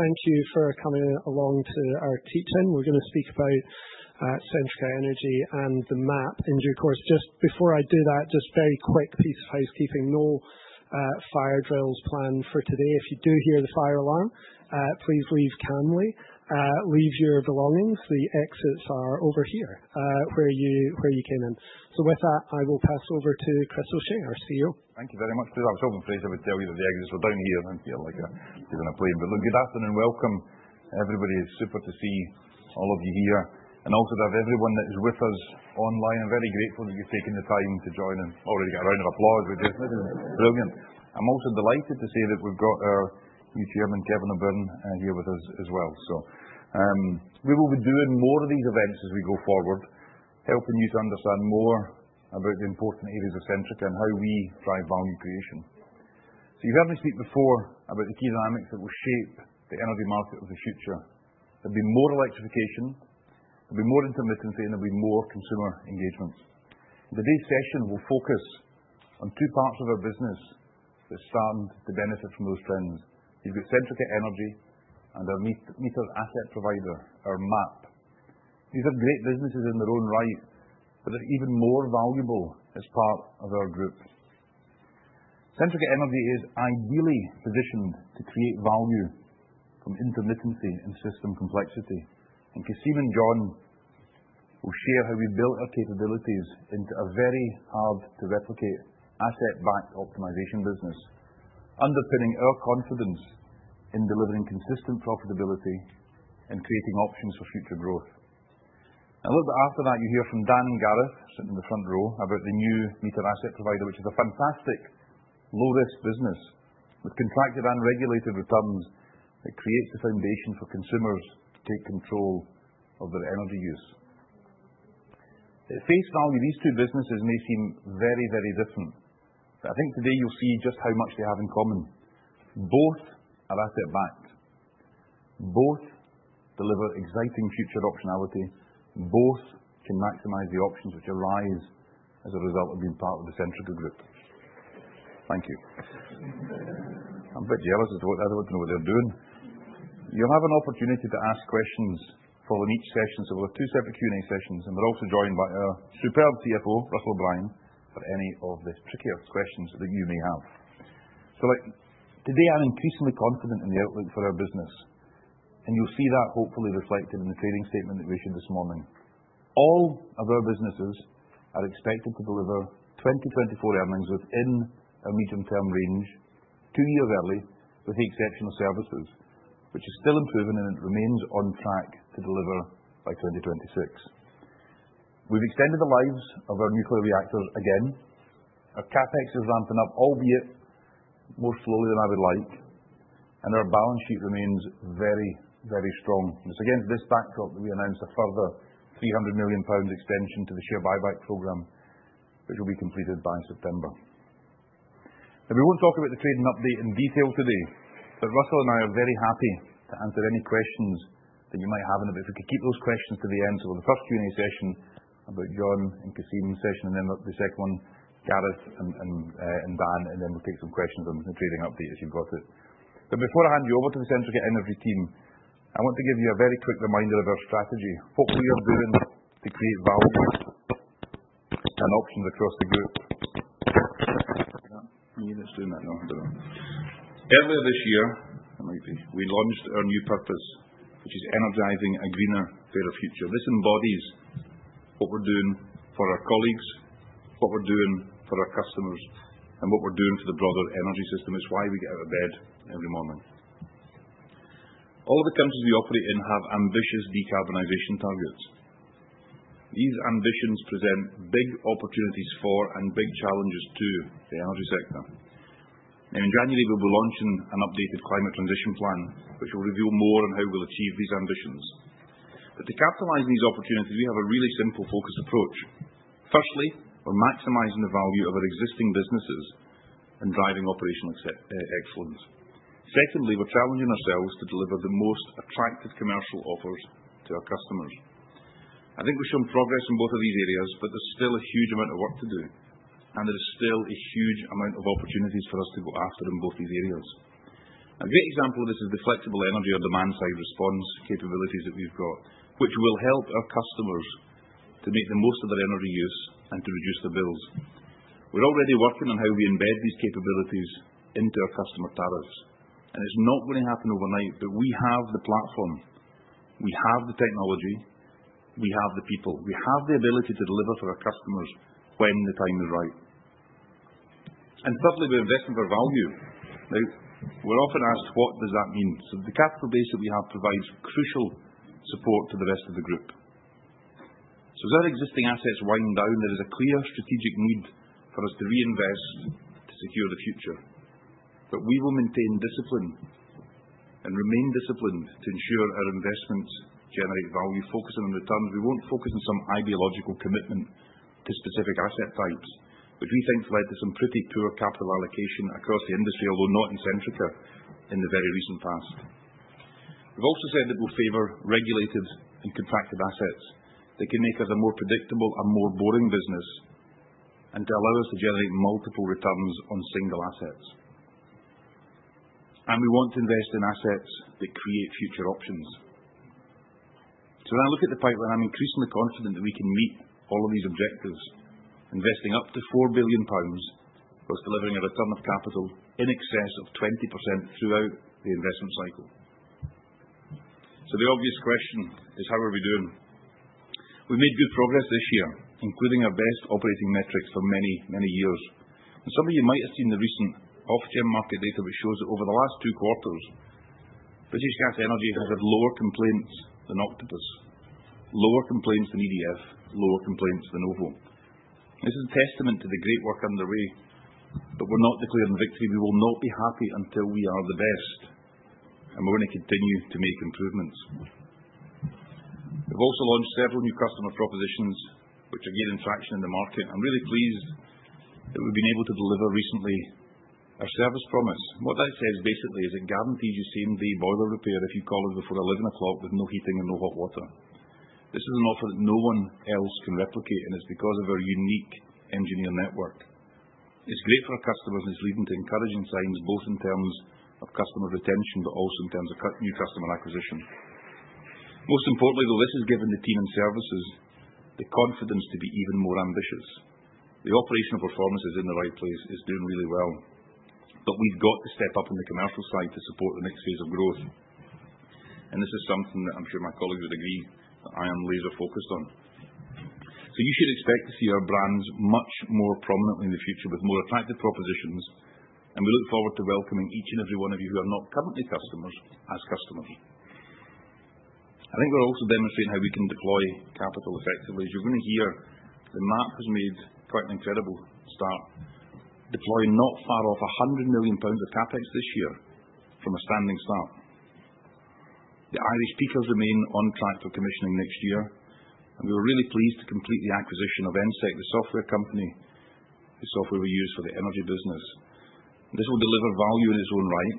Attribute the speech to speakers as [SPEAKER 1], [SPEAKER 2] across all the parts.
[SPEAKER 1] Thank you for coming along to our tea time. We're going to speak about Centrica Energy and the MAP. And, of course, just before I do that, just a very quick piece of housekeeping: no fire drills planned for today. If you do hear the fire alarm, please leave calmly and leave your belongings. The exits are over here, where you came in. So with that, I will pass over to Chris O'Shea, our CEO.
[SPEAKER 2] Thank you very much. I was hoping, Fraser, we'd tell you that the exits were down here and feel like you're in a plane. But look, good afternoon. Welcome, everybody. It's super to see all of you here. And also to have everyone that is with us online. I'm very grateful that you've taken the time to join and already got a round of applause with this. This is brilliant. I'm also delighted to say that we've got our new chairman, Kevin O'Byrne, here with us as well. So, we will be doing more of these events as we go forward, helping you to understand more about the important areas of Centrica and how we drive value creation. So you've heard me speak before about the key dynamics that will shape the energy market of the future. There'll be more electrification, there'll be more intermittency, and there'll be more consumer engagement. Today's session will focus on two parts of our business that stand to benefit from those trends. You've got Centrica Energy and our meter asset provider, our MAP. These are great businesses in their own right, but they're even more valuable as part of our group. Centrica Energy is ideally positioned to create value from intermittency and system complexity, and Cassim and John will share how we built our capabilities into a very hard-to-replicate asset-backed optimization business, underpinning our confidence in delivering consistent profitability and creating options for future growth, and a little bit after that, you'll hear from Dan and Gareth, sitting in the front row, about the new meter asset provider, which is a fantastic low-risk business with contracted and regulated returns that creates the foundation for consumers to take control of their energy use. At face value, these two businesses may seem very, very different. But I think today you'll see just how much they have in common. Both are asset-backed. Both deliver exciting future optionality. Both can maximize the options which arise as a result of being part of the Centrica group. Thank you. I'm a bit jealous as to what they're doing. You'll have an opportunity to ask questions following each session. So we'll have two separate Q&A sessions. And we're also joined by our superb CFO, Russell O’Brien, for any of the trickier questions that you may have. So look, today I'm increasingly confident in the outlook for our business. And you'll see that, hopefully, reflected in the trading statement that we issued this morning. All of our businesses are expected to deliver 2024 earnings within a medium-term range, two years early, with the exception of services, which is still improving, and it remains on track to deliver by 2026. We've extended the lives of our nuclear reactors again. Our CapEx is ramping up, albeit more slowly than I would like, and our balance sheet remains very, very strong, and it's against this backdrop that we announced a further 300 million pounds extension to the share buyback program, which will be completed by September. Now, we won't talk about the trading update in detail today, but Russell and I are very happy to answer any questions that you might have, and if we could keep those questions to the end, so we'll have the first Q&A session about John and Cassim's session, and then the second one, Gareth and Dan. And then we'll take some questions on the trading update as you've got it. But before I hand you over to the Centrica Energy team, I want to give you a very quick reminder of our strategy. What we are doing to create value and options across the group. Yeah, it's doing that now. Earlier this year, we launched our new purpose, which is energizing a greener, better future. This embodies what we're doing for our colleagues, what we're doing for our customers, and what we're doing for the broader energy system. It's why we get out of bed every morning. All of the countries we operate in have ambitious decarbonization targets. These ambitions present big opportunities for and big challenges to the energy sector. And in January, we'll be launching an updated climate transition plan, which will reveal more on how we'll achieve these ambitions. But to capitalize on these opportunities, we have a really simple focus approach. Firstly, we're maximizing the value of our existing businesses and driving operational excellence. Secondly, we're challenging ourselves to deliver the most attractive commercial offers to our customers. I think we've shown progress in both of these areas, but there's still a huge amount of work to do, and there is still a huge amount of opportunities for us to go after in both these areas. A great example of this is the flexible energy on demand-side response capabilities that we've got, which will help our customers to make the most of their energy use and to reduce their bills. We're already working on how we embed these capabilities into our customer tariffs, and it's not going to happen overnight, but we have the platform. We have the technology. We have the people. We have the ability to deliver for our customers when the time is right, and thirdly, we're investing for value. Now, we're often asked, what does that mean, so the capital base that we have provides crucial support to the rest of the group. So as our existing assets wind down, there is a clear strategic need for us to reinvest to secure the future. But we will maintain discipline and remain disciplined to ensure our investments generate value, focusing on returns. We won't focus on some ideological commitment to specific asset types, which we think has led to some pretty poor capital allocation across the industry, although not in Centrica, in the very recent past. We've also said that we'll favor regulated and contracted assets that can make us a more predictable and more boring business and allow us to generate multiple returns on single assets. And we want to invest in assets that create future options. So when I look at the pipeline, I'm increasingly confident that we can meet all of these objectives. Investing up to £4 billion will deliver a return of capital in excess of 20% throughout the investment cycle. So the obvious question is, how are we doing? We've made good progress this year, including our best operating metrics for many, many years. And some of you might have seen the recent Ofgem market data, which shows that over the last two quarters, British Gas Energy has had lower complaints than Octopus, lower complaints than EDF, lower complaints than OVO. This is a testament to the great work underway. But we're not declaring victory. We will not be happy until we are the best. And we're going to continue to make improvements. We've also launched several new customer propositions, which are gaining traction in the market. I'm really pleased that we've been able to deliver recently our service promise. What that says, basically, is it guarantees you same-day boiler repair if you call us before 11:00 A.M. with no heating and no hot water. This is an offer that no one else can replicate, and it's because of our unique engineer network. It's great for our customers, and it's leading to encouraging signs, both in terms of customer retention, but also in terms of new customer acquisition. Most importantly, though, this has given the team and services the confidence to be even more ambitious. The operational performance is in the right place. It's doing really well, but we've got to step up on the commercial side to support the next phase of growth, and this is something that I'm sure my colleagues would agree that I am laser-focused on, so you should expect to see our brands much more prominently in the future with more attractive propositions. And we look forward to welcoming each and every one of you who are not currently customers as customers. I think we're also demonstrating how we can deploy capital effectively. As you're going to hear, the MAP has made quite an incredible start, deploying not far off 100 million pounds of CapEx this year from a standing start. The Irish peak has remained on track for commissioning next year. And we were really pleased to complete the acquisition of ENSEK, the software company, the software we use for the energy business. This will deliver value in its own right.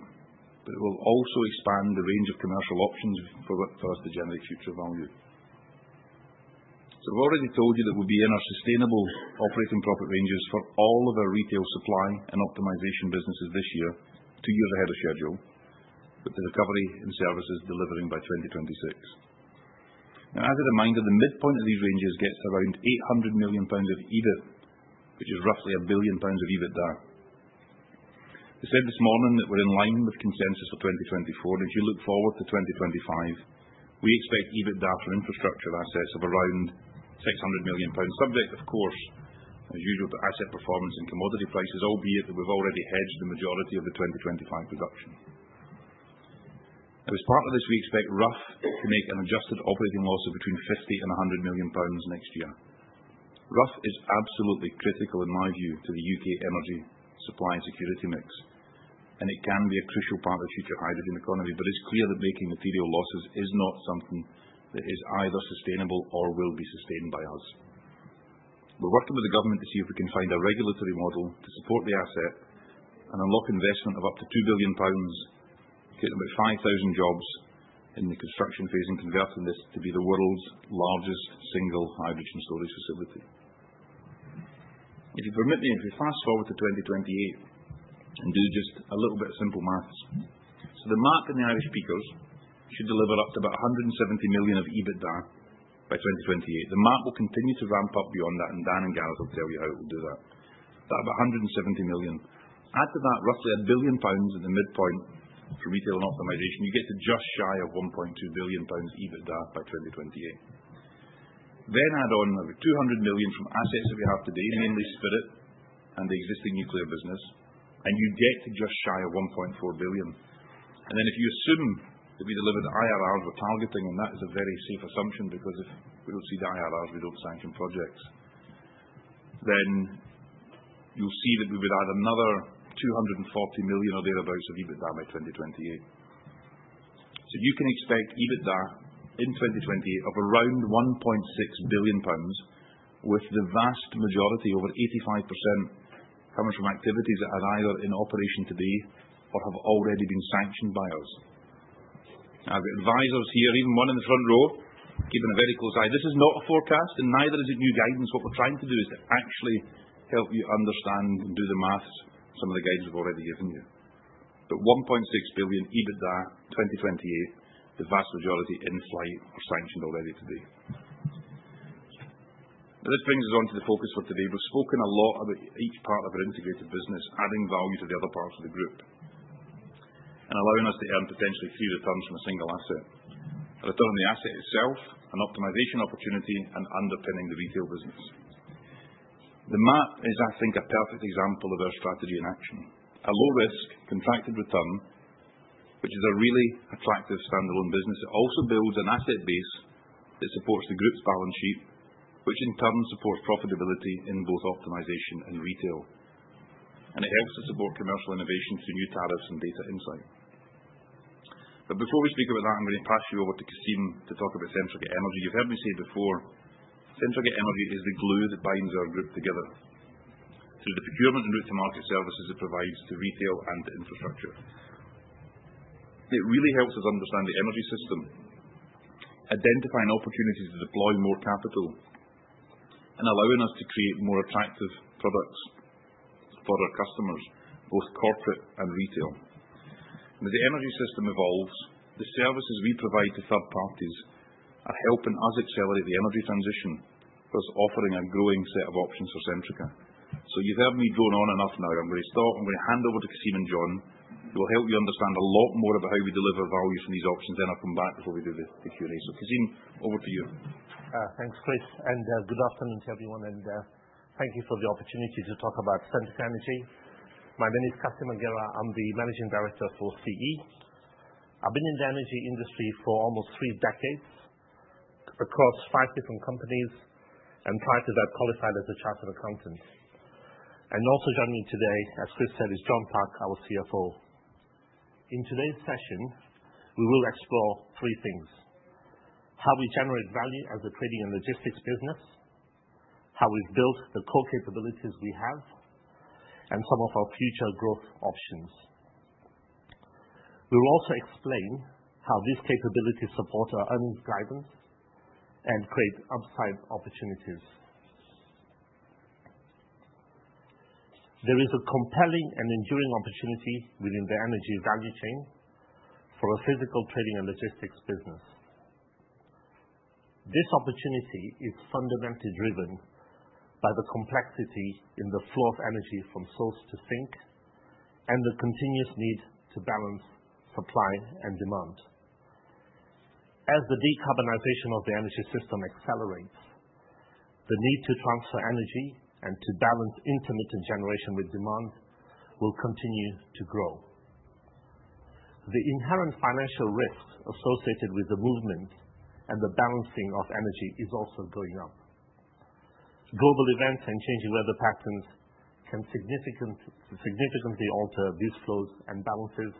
[SPEAKER 2] But it will also expand the range of commercial options for us to generate future value. So we've already told you that we'll be in our sustainable operating profit ranges for all of our retail supply and optimization businesses this year, two years ahead of schedule, with the recovery in services delivering by 2026. Now, as a reminder, the midpoint of these ranges gets to around £800 million of EBIT, which is roughly a billion pounds of EBITDA. We said this morning that we're in line with consensus for 2024. And if you look forward to 2025, we expect EBITDA for infrastructure assets of around £600 million, subject, of course, as usual, to asset performance and commodity prices, albeit that we've already hedged the majority of the 2025 production. Now, as part of this, we expect Rough to make an adjusted operating loss of between £50 and £100 million next year. Rough is absolutely critical, in my view, to the U.K. energy supply and security mix. It can be a crucial part of the future hydrogen economy. But it's clear that making material losses is not something that is either sustainable or will be sustained by us. We're working with the government to see if we can find a regulatory model to support the asset and unlock investment of up to 2 billion pounds, creating about 5,000 jobs in the construction phase and converting this to be the world's largest single hydrogen storage facility. If you permit me, if we fast-forward to 2028 and do just a little bit of simple math, so the MAP and the Irish peakers should deliver up to about 170 million of EBITDA by 2028. The MAP will continue to ramp up beyond that. And Dan and Gareth will tell you how it will do that. That about 170 million. Add to that roughly £1 billion at the midpoint for retail and optimization. You get to just shy of £1.2 billion EBITDA by 2028. Then add on over £200 million from assets that we have today, mainly Spirit and the existing nuclear business. And you get to just shy of £1.4 billion. And then if you assume that we delivered IRRs we're targeting, and that is a very safe assumption, because if we don't see the IRRs, we don't sanction projects, then you'll see that we would add another £240 million or thereabouts of EBITDA by 2028. So you can expect EBITDA in 2028 of around £1.6 billion, with the vast majority, over 85%, coming from activities that are either in operation today or have already been sanctioned by us. Now, the advisors here, even one in the front row, keeping a very close eye. This is not a forecast. Neither is it new guidance. What we're trying to do is to actually help you understand and do the math. Some of the guidance we've already given you. 1.6 billion EBITDA 2028, the vast majority in flight or sanctioned already today. Now, this brings us on to the focus for today. We've spoken a lot about each part of our integrated business, adding value to the other parts of the group, and allowing us to earn potentially three returns from a single asset: a return on the asset itself, an optimization opportunity, and underpinning the retail business. The MAP is, I think, a perfect example of our strategy in action. A low-risk, contracted return, which is a really attractive standalone business. It also builds an asset base that supports the group's balance sheet, which in turn supports profitability in both optimization and retail. And it helps to support commercial innovation through new tariffs and data insight. But before we speak about that, I'm going to pass you over to Cassim to talk about Centrica Energy. You've heard me say before, Centrica Energy is the glue that binds our group together through the procurement and route-to-market services it provides to retail and to infrastructure. It really helps us understand the energy system, identifying opportunities to deploy more capital, and allowing us to create more attractive products for our customers, both corporate and retail. And as the energy system evolves, the services we provide to third parties are helping us accelerate the energy transition, thus offering a growing set of options for Centrica. So you've heard me drone on enough now. I'm going to stop. I'm going to hand over to Cassim and John. We'll help you understand a lot more about how we deliver value from these options. Then I'll come back before we do the Q&A. So Cassim, over to you.
[SPEAKER 3] Thanks, Chris. Good afternoon to everyone. Thank you for the opportunity to talk about Centrica Energy. My name is Cassim Mangerah. I'm the Managing Director for CE. I've been in the energy industry for almost three decades across five different companies and prior to that qualified as a chartered accountant. Also joining me today, as Chris said, is John Park, our CFO. In today's session, we will explore three things: how we generate value as a trading and logistics business, how we've built the core capabilities we have, and some of our future growth options. We will also explain how these capabilities support our earnings guidance and create upside opportunities. There is a compelling and enduring opportunity within the energy value chain for a physical trading and logistics business. This opportunity is fundamentally driven by the complexity in the flow of energy from source to sink and the continuous need to balance supply and demand. As the decarbonization of the energy system accelerates, the need to transfer energy and to balance intermittent generation with demand will continue to grow. The inherent financial risk associated with the movement and the balancing of energy is also going up. Global events and changing weather patterns can significantly alter these flows and balances,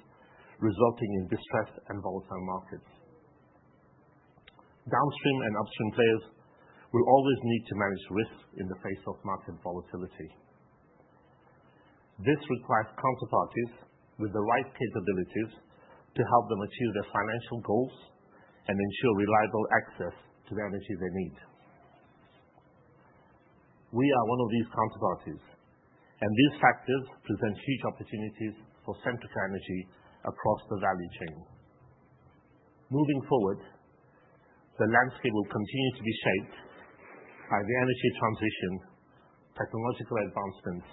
[SPEAKER 3] resulting in distressed and volatile markets. Downstream and upstream players will always need to manage risk in the face of market volatility. This requires counterparties with the right capabilities to help them achieve their financial goals and ensure reliable access to the energy they need. We are one of these counterparties. And these factors present huge opportunities for Centrica Energy across the value chain. Moving forward, the landscape will continue to be shaped by the energy transition, technological advancements,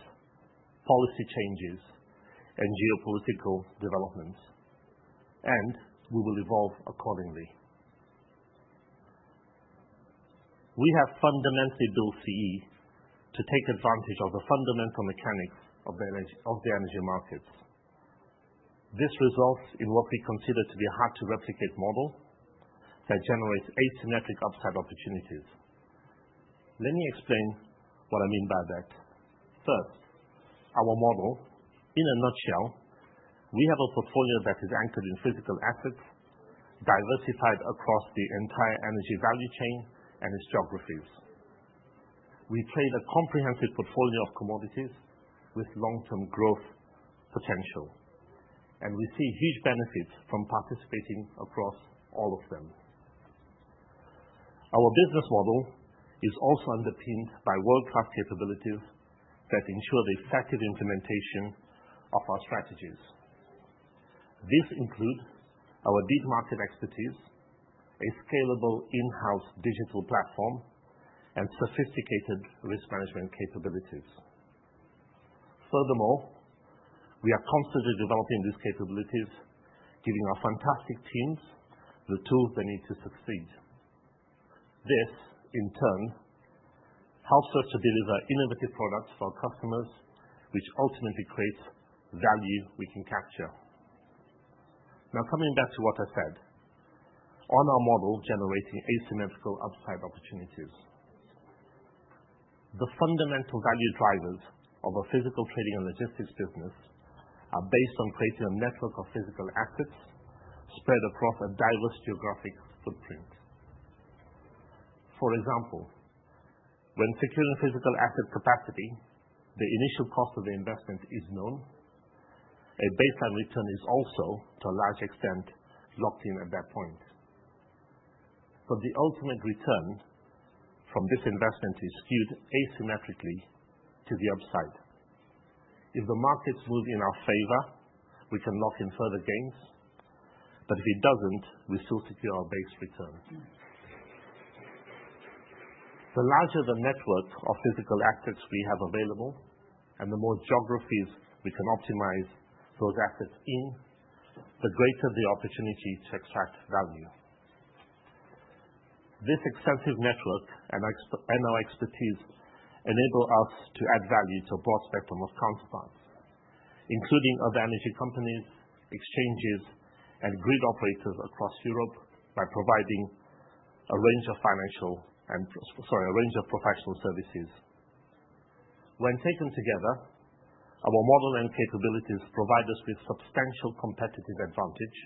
[SPEAKER 3] policy changes, and geopolitical developments. And we will evolve accordingly. We have fundamentally built CE to take advantage of the fundamental mechanics of the energy markets. This results in what we consider to be a hard-to-replicate model that generates asymmetric upside opportunities. Let me explain what I mean by that. First, our model, in a nutshell, we have a portfolio that is anchored in physical assets, diversified across the entire energy value chain and its geographies. We trade a comprehensive portfolio of commodities with long-term growth potential. And we see huge benefits from participating across all of them. Our business model is also underpinned by world-class capabilities that ensure the effective implementation of our strategies. These include our deep market expertise, a scalable in-house digital platform, and sophisticated risk management capabilities. Furthermore, we are constantly developing these capabilities, giving our fantastic teams the tools they need to succeed. This, in turn, helps us to deliver innovative products for our customers, which ultimately creates value we can capture. Now, coming back to what I said on our model generating asymmetrical upside opportunities, the fundamental value drivers of a physical trading and logistics business are based on creating a network of physical assets spread across a diverse geographic footprint. For example, when securing physical asset capacity, the initial cost of the investment is known. A baseline return is also, to a large extent, locked in at that point. But the ultimate return from this investment is skewed asymmetrically to the upside. If the markets move in our favor, we can lock in further gains. But if it doesn't, we still secure our base return. The larger the network of physical assets we have available, and the more geographies we can optimize those assets in, the greater the opportunity to extract value. This extensive network and our expertise enable us to add value to a broad spectrum of counterparts, including other energy companies, exchanges, and grid operators across Europe by providing a range of financial and, sorry, a range of professional services. When taken together, our model and capabilities provide us with substantial competitive advantage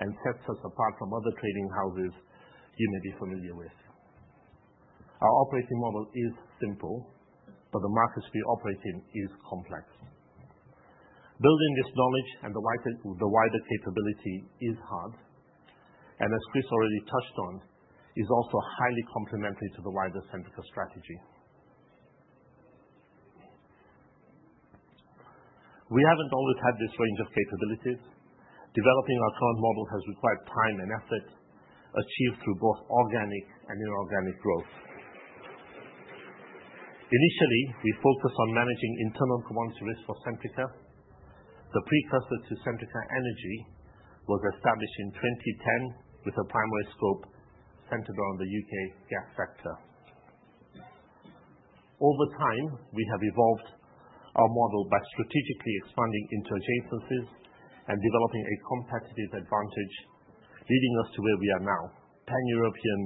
[SPEAKER 3] and set us apart from other trading houses you may be familiar with. Our operating model is simple, but the markets we operate in are complex. Building this knowledge and the wider capability is hard. And as Chris already touched on, it is also highly complementary to the wider Centrica strategy. We haven't always had this range of capabilities. Developing our current model has required time and effort achieved through both organic and inorganic growth. Initially, we focused on managing internal commodity risk for Centrica. The precursor to Centrica Energy was established in 2010 with a primary scope centered around the U.K. gas sector. Over time, we have evolved our model by strategically expanding interconnectors and developing a competitive advantage, leading us to where we are now: pan-European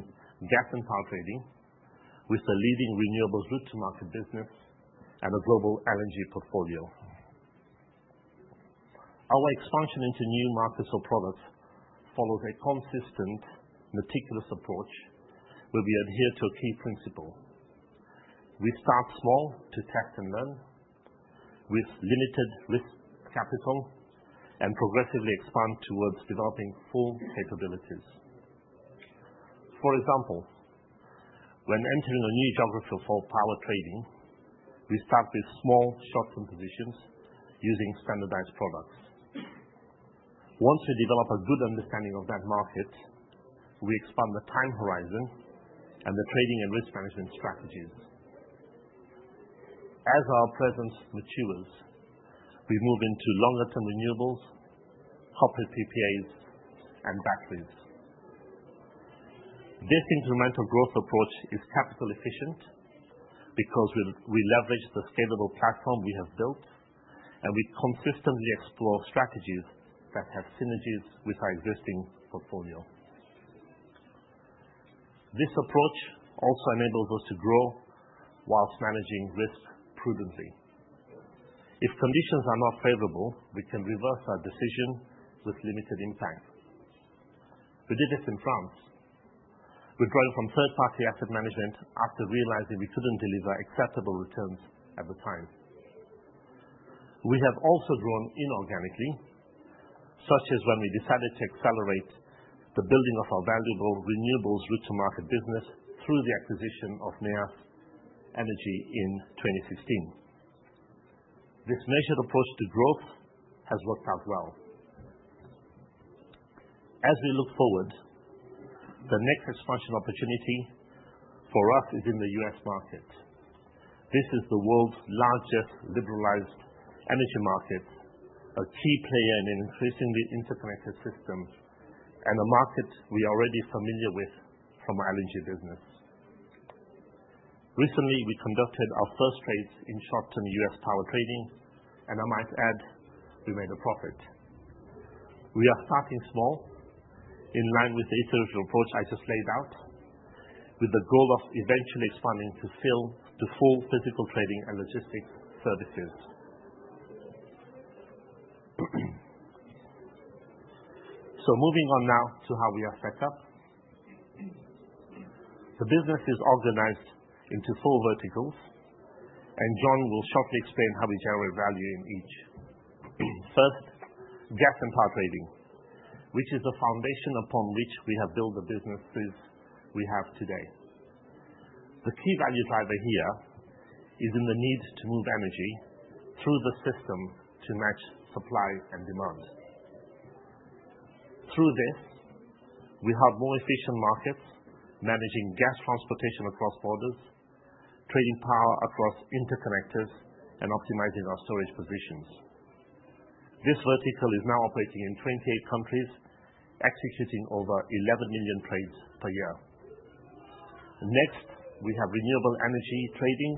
[SPEAKER 3] gas and power trading with a leading renewables route-to-market business and a global energy portfolio. Our expansion into new markets or products follows a consistent, meticulous approach where we adhere to a key principle. We start small to test and learn with limited risk capital and progressively expand towards developing full capabilities. For example, when entering a new geography for power trading, we start with small short-term positions using standardized products. Once we develop a good understanding of that market, we expand the time horizon and the trading and risk management strategies. As our presence matures, we move into longer-term renewables, corporate PPAs, and batteries. This incremental growth approach is capital-efficient because we leverage the scalable platform we have built, and we consistently explore strategies that have synergies with our existing portfolio. This approach also enables us to grow whilst managing risk prudently. If conditions are not favorable, we can reverse our decision with limited impact. We did this in France, withdrawing from third-party asset management after realizing we couldn't deliver acceptable returns at the time. We have also grown inorganically, such as when we decided to accelerate the building of our valuable renewables route-to-market business through the acquisition of Neas Energy in 2016. This measured approach to growth has worked out well. As we look forward, the next expansion opportunity for us is in the U.S. market. This is the world's largest liberalized energy market, a key player in an increasingly interconnected system, and a market we are already familiar with from our energy business. Recently, we conducted our first trades in short-term U.S. power trading, and I might add, we made a profit. We are starting small, in line with the iterative approach I just laid out, with the goal of eventually expanding to full physical trading and logistics services, so moving on now to how we are set up. The business is organized into four verticals, and John will shortly explain how we generate value in each. First, gas and power trading, which is the foundation upon which we have built the businesses we have today. The key value driver here is in the need to move energy through the system to match supply and demand. Through this, we have more efficient markets managing gas transportation across borders, trading power across interconnectors, and optimizing our storage positions. This vertical is now operating in 28 countries, executing over 11 million trades per year. Next, we have renewable energy trading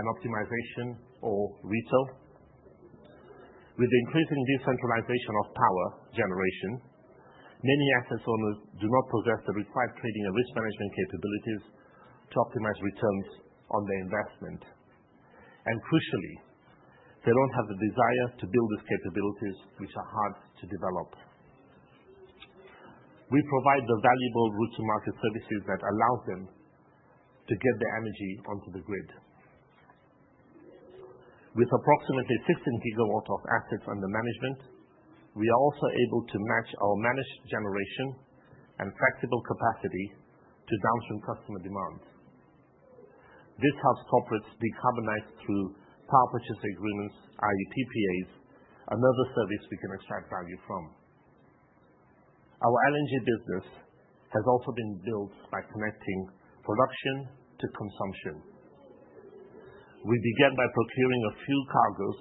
[SPEAKER 3] and optimization, or RETO. With the increasing decentralization of power generation, many asset owners do not possess the required trading and risk management capabilities to optimize returns on their investment. And crucially, they don't have the desire to build these capabilities, which are hard to develop. We provide the valuable route-to-market services that allow them to get their energy onto the grid. With approximately 16 gigawatts of assets under management, we are also able to match our managed generation and flexible capacity to downstream customer demands. This helps corporates decarbonize through power purchase agreements, i.e., PPAs, another service we can extract value from. Our LNG business has also been built by connecting production to consumption. We began by procuring a few cargoes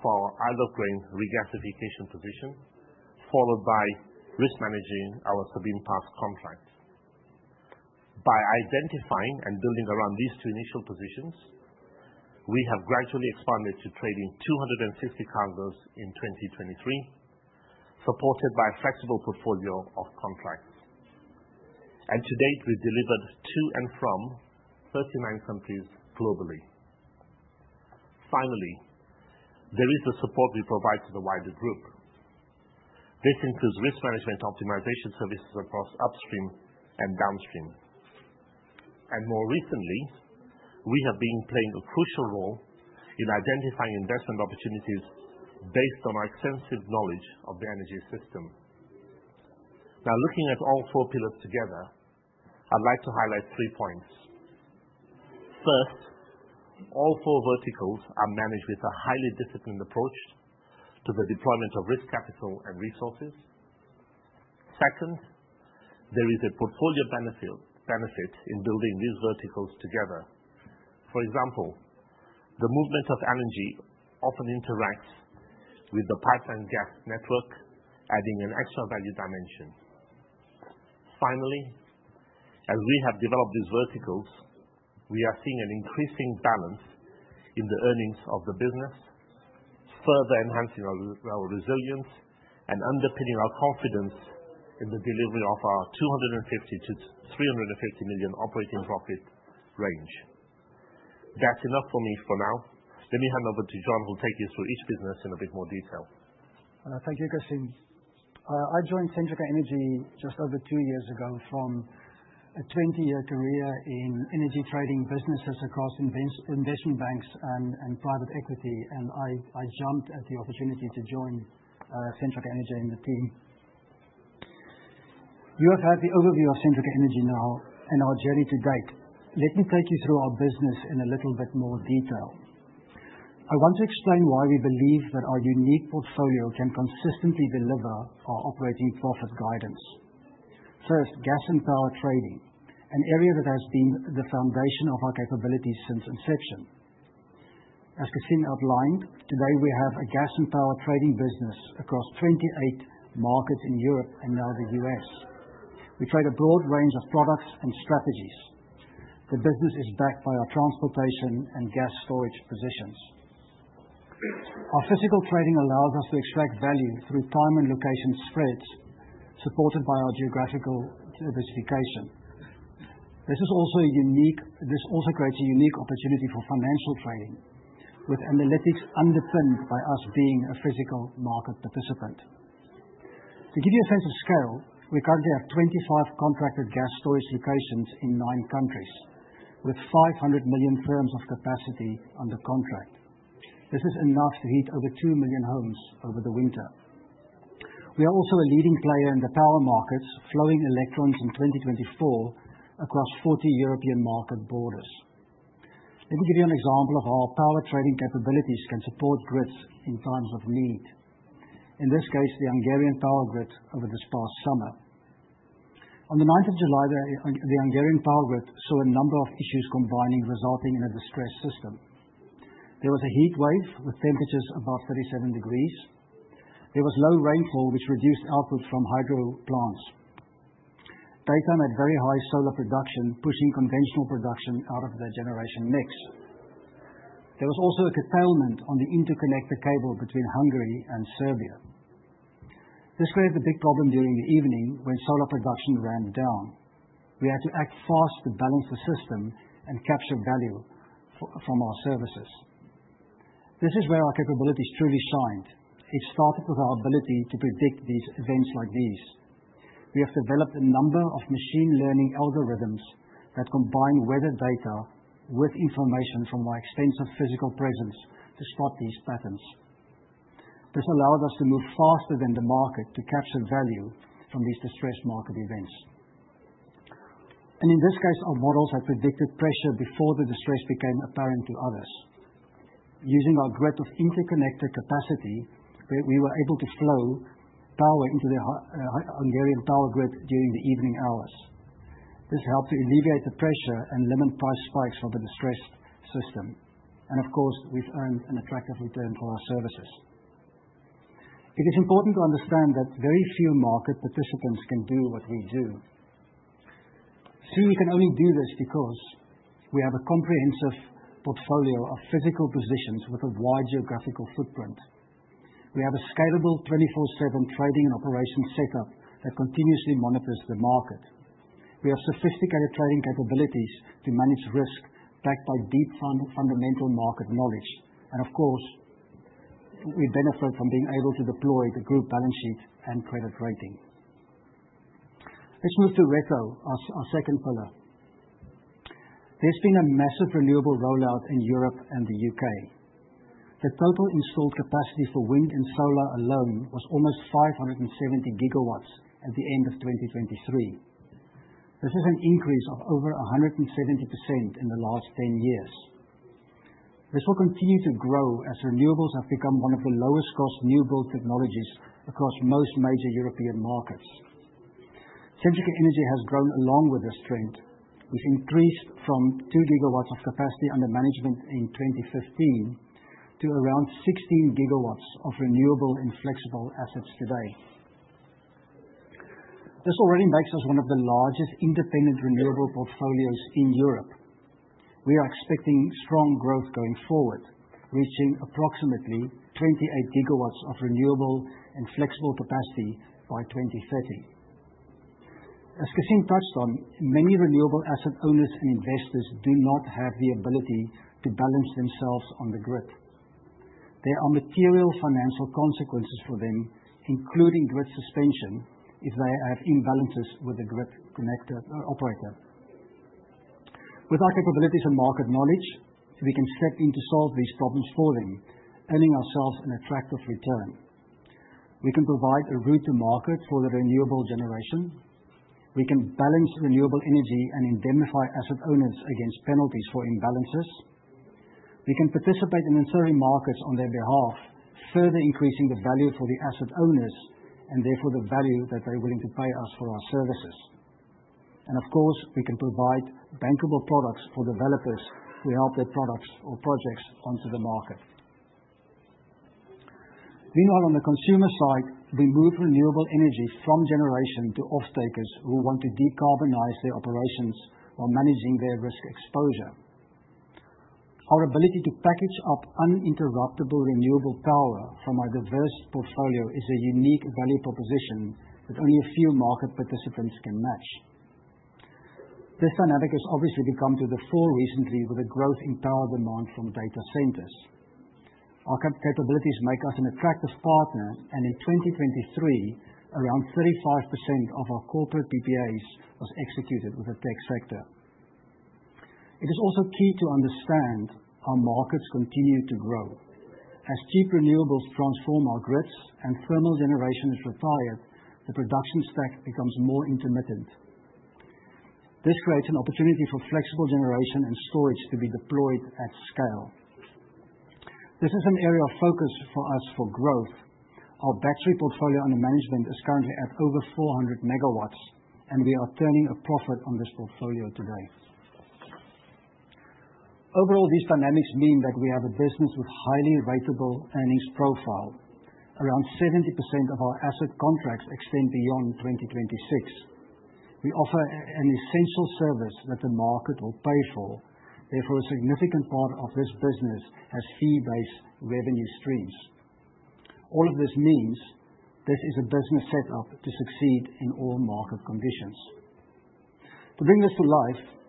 [SPEAKER 3] for our Isle of Grain regasification position, followed by risk managing our Sabine Pass contract. By identifying and building around these two initial positions, we have gradually expanded to trading 250 cargoes in 2023, supported by a flexible portfolio of contracts. And to date, we've delivered to and from 39 countries globally. Finally, there is the support we provide to the wider group. This includes risk management optimization services across upstream and downstream. And more recently, we have been playing a crucial role in identifying investment opportunities based on our extensive knowledge of the energy system. Now, looking at all four pillars together, I'd like to highlight three points. First, all four verticals are managed with a highly disciplined approach to the deployment of risk capital and resources. Second, there is a portfolio benefit in building these verticals together. For example, the movement of energy often interacts with the pipeline gas network, adding an extra value dimension. Finally, as we have developed these verticals, we are seeing an increasing balance in the earnings of the business, further enhancing our resilience and underpinning our confidence in the delivery of our 250 million-350 million operating profit range. That's enough for me for now. Let me hand over to John, who will take you through each business in a bit more detail.
[SPEAKER 4] Thank you, Chris. I joined Centrica Energy just over two years ago from a 20-year career in energy trading businesses across investment banks and private equity and I jumped at the opportunity to join Centrica Energy and the team. You have had the overview of Centrica Energy now and our journey to date. Let me take you through our business in a little bit more detail. I want to explain why we believe that our unique portfolio can consistently deliver our operating profit guidance. First, gas and power trading, an area that has been the foundation of our capabilities since inception. As Cassim Mangerah outlined, today we have a gas and power trading business across 28 markets in Europe and now the U.S. We trade a broad range of products and strategies. The business is backed by our transportation and gas storage positions. Our physical trading allows us to extract value through time and location spreads, supported by our geographical diversification. This also creates a unique opportunity for financial trading, with analytics underpinned by us being a physical market participant. To give you a sense of scale, we currently have 25 contracted gas storage locations in nine countries, with 500 million therms of capacity under contract. This is enough to heat over two million homes over the winter. We are also a leading player in the power markets, flowing electrons in 2024 across 40 European market borders. Let me give you an example of how our power trading capabilities can support grids in times of need. In this case, the Hungarian power grid over this past summer. On the 9th of July, the Hungarian power grid saw a number of issues combining, resulting in a distressed system. There was a heat wave with temperatures above 37 degrees. There was low rainfall, which reduced output from hydro plants. Daytime had very high solar production, pushing conventional production out of their generation mix. There was also a curtailment on the interconnector cable between Hungary and Serbia. This created a big problem during the evening when solar production ran down. We had to act fast to balance the system and capture value from our services. This is where our capabilities truly shined. It started with our ability to predict these events like these. We have developed a number of machine learning algorithms that combine weather data with information from our extensive physical presence to spot these patterns. This allows us to move faster than the market to capture value from these distressed market events. And in this case, our models had predicted pressure before the distress became apparent to others. Using our grid of interconnector capacity, we were able to flow power into the Hungarian power grid during the evening hours. This helped to alleviate the pressure and limit price spikes for the distressed system, and of course, we've earned an attractive return for our services. It is important to understand that very few market participants can do what we do. We can only do this because we have a comprehensive portfolio of physical positions with a wide geographical footprint. We have a scalable 24/7 trading and operations setup that continuously monitors the market. We have sophisticated trading capabilities to manage risk backed by deep fundamental market knowledge, and of course, we benefit from being able to deploy the group balance sheet and credit rating. Let's move to RETO, our second pillar. There's been a massive renewable rollout in Europe and the U.K. The total installed capacity for wind and solar alone was almost 570 gigawatts at the end of 2023. This is an increase of over 170% in the last 10 years. This will continue to grow as renewables have become one of the lowest-cost new-build technologies across most major European markets. Centrica Energy has grown along with this trend. We've increased from 2 gigawatts of capacity under management in 2015 to around 16 gigawatts of renewable and flexible assets today. This already makes us one of the largest independent renewable portfolios in Europe. We are expecting strong growth going forward, reaching approximately 28 gigawatts of renewable and flexible capacity by 2030. As Cassim touched on, many renewable asset owners and investors do not have the ability to balance themselves on the grid. There are material financial consequences for them, including grid suspension, if they have imbalances with the interconnector operator. With our capabilities and market knowledge, we can step in to solve these problems for them, earning ourselves an attractive return. We can provide a route-to-market for the renewable generation. We can balance renewable energy and indemnify asset owners against penalties for imbalances. We can participate in insuring markets on their behalf, further increasing the value for the asset owners and therefore the value that they're willing to pay us for our services. And of course, we can provide bankable products for developers who help their products or projects onto the market. Meanwhile, on the consumer side, we move renewable energy from generation to off-takers who want to decarbonize their operations while managing their risk exposure. Our ability to package up uninterruptible renewable power from our diverse portfolio is a unique value proposition that only a few market participants can match. This dynamic has obviously come to the fore recently with a growth in power demand from data centers. Our capabilities make us an attractive partner, and in 2023, around 35% of our corporate PPAs was executed with the tech sector. It is also key to understand our markets continue to grow. As cheap renewables transform our grids and thermal generation is retired, the production stack becomes more intermittent. This creates an opportunity for flexible generation and storage to be deployed at scale. This is an area of focus for us for growth. Our battery portfolio under management is currently at over 400 megawatts, and we are turning a profit on this portfolio today. Overall, these dynamics mean that we have a business with a highly ratable earnings profile. Around 70% of our asset contracts extend beyond 2026. We offer an essential service that the market will pay for. Therefore, a significant part of this business has fee-based revenue streams. All of this means this is a business setup to succeed in all market conditions. To bring this to life,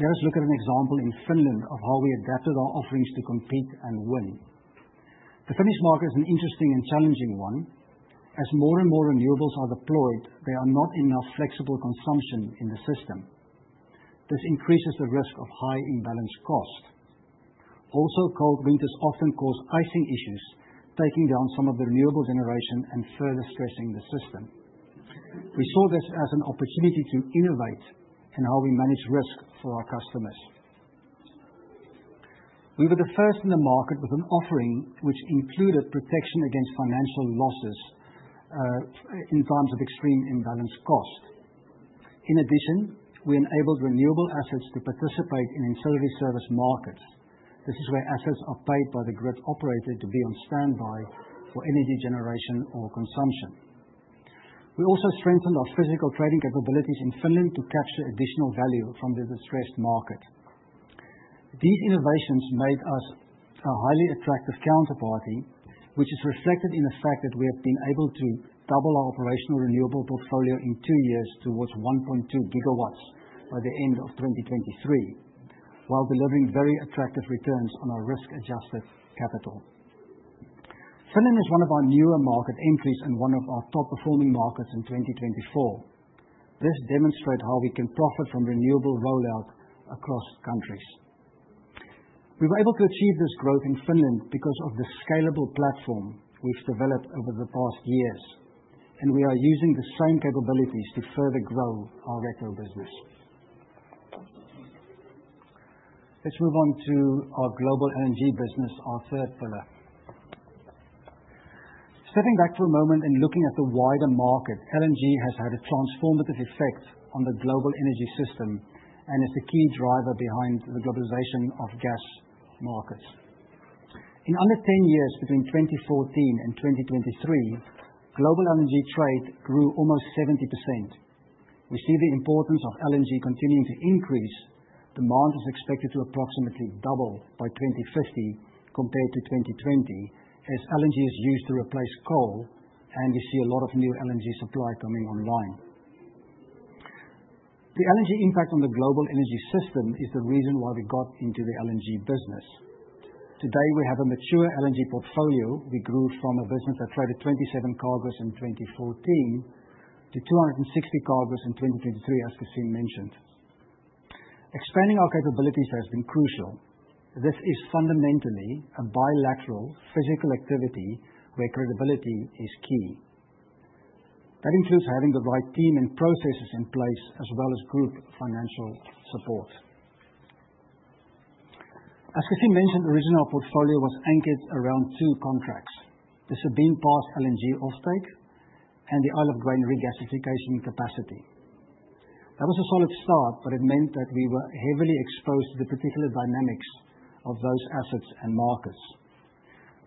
[SPEAKER 4] let us look at an example in Finland of how we adapted our offerings to compete and win. The Finnish market is an interesting and challenging one. As more and more renewables are deployed, there are not enough flexible consumption in the system. This increases the risk of high imbalance cost. Also cold winters often cause icing issues, taking down some of the renewable generation and further stressing the system. We saw this as an opportunity to innovate in how we manage risk for our customers. We were the first in the market with an offering which included protection against financial losses in times of extreme imbalance cost. In addition, we enabled renewable assets to participate in ancillary service markets. This is where assets are paid by the grid operator to be on standby for energy generation or consumption. We also strengthened our physical trading capabilities in Finland to capture additional value from the distressed market. These innovations made us a highly attractive counterparty, which is reflected in the fact that we have been able to double our operational renewable portfolio in two years towards 1.2 gigawatts by the end of 2023, while delivering very attractive returns on our risk-adjusted capital. Finland is one of our newer market entries and one of our top-performing markets in 2024. This demonstrates how we can profit from renewable rollout across countries. We were able to achieve this growth in Finland because of the scalable platform we've developed over the past years, and we are using the same capabilities to further grow our RETO business. Let's move on to our global LNG business, our third pillar. Stepping back for a moment and looking at the wider market, LNG has had a transformative effect on the global energy system and is the key driver behind the globalization of gas markets. In under 10 years, between 2014 and 2023, global LNG trade grew almost 70%. We see the importance of LNG continuing to increase. Demand is expected to approximately double by 2050 compared to 2020, as LNG is used to replace coal, and we see a lot of new LNG supply coming online. The LNG impact on the global energy system is the reason why we got into the LNG business. Today, we have a mature LNG portfolio. We grew from a business that traded 27 cargoes in 2014 to 260 cargoes in 2023, as Cassim mentioned. Expanding our capabilities has been crucial. This is fundamentally a bilateral physical activity where credibility is key. That includes having the right team and processes in place, as well as group financial support. As Cassim mentioned, originally, our portfolio was anchored around two contracts. This had been past LNG offtake and the Isle of Grain regasification capacity. That was a solid start, but it meant that we were heavily exposed to the particular dynamics of those assets and markets.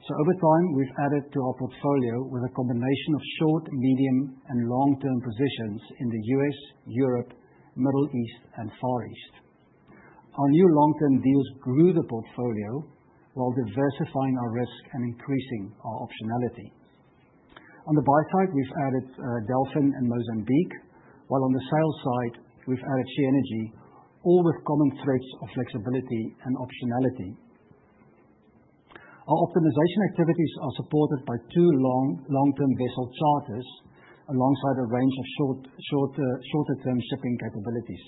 [SPEAKER 4] So over time, we've added to our portfolio with a combination of short, medium, and long-term positions in the U.S., Europe, Middle East, and Far East. Our new long-term deals grew the portfolio while diversifying our risk and increasing our optionality. On the buy side, we've added Delfin and Mozambique, while on the sales side, we've added Cheniere Energy, all with common threads of flexibility and optionality. Our optimization activities are supported by two long-term vessel charters alongside a range of shorter-term shipping capabilities.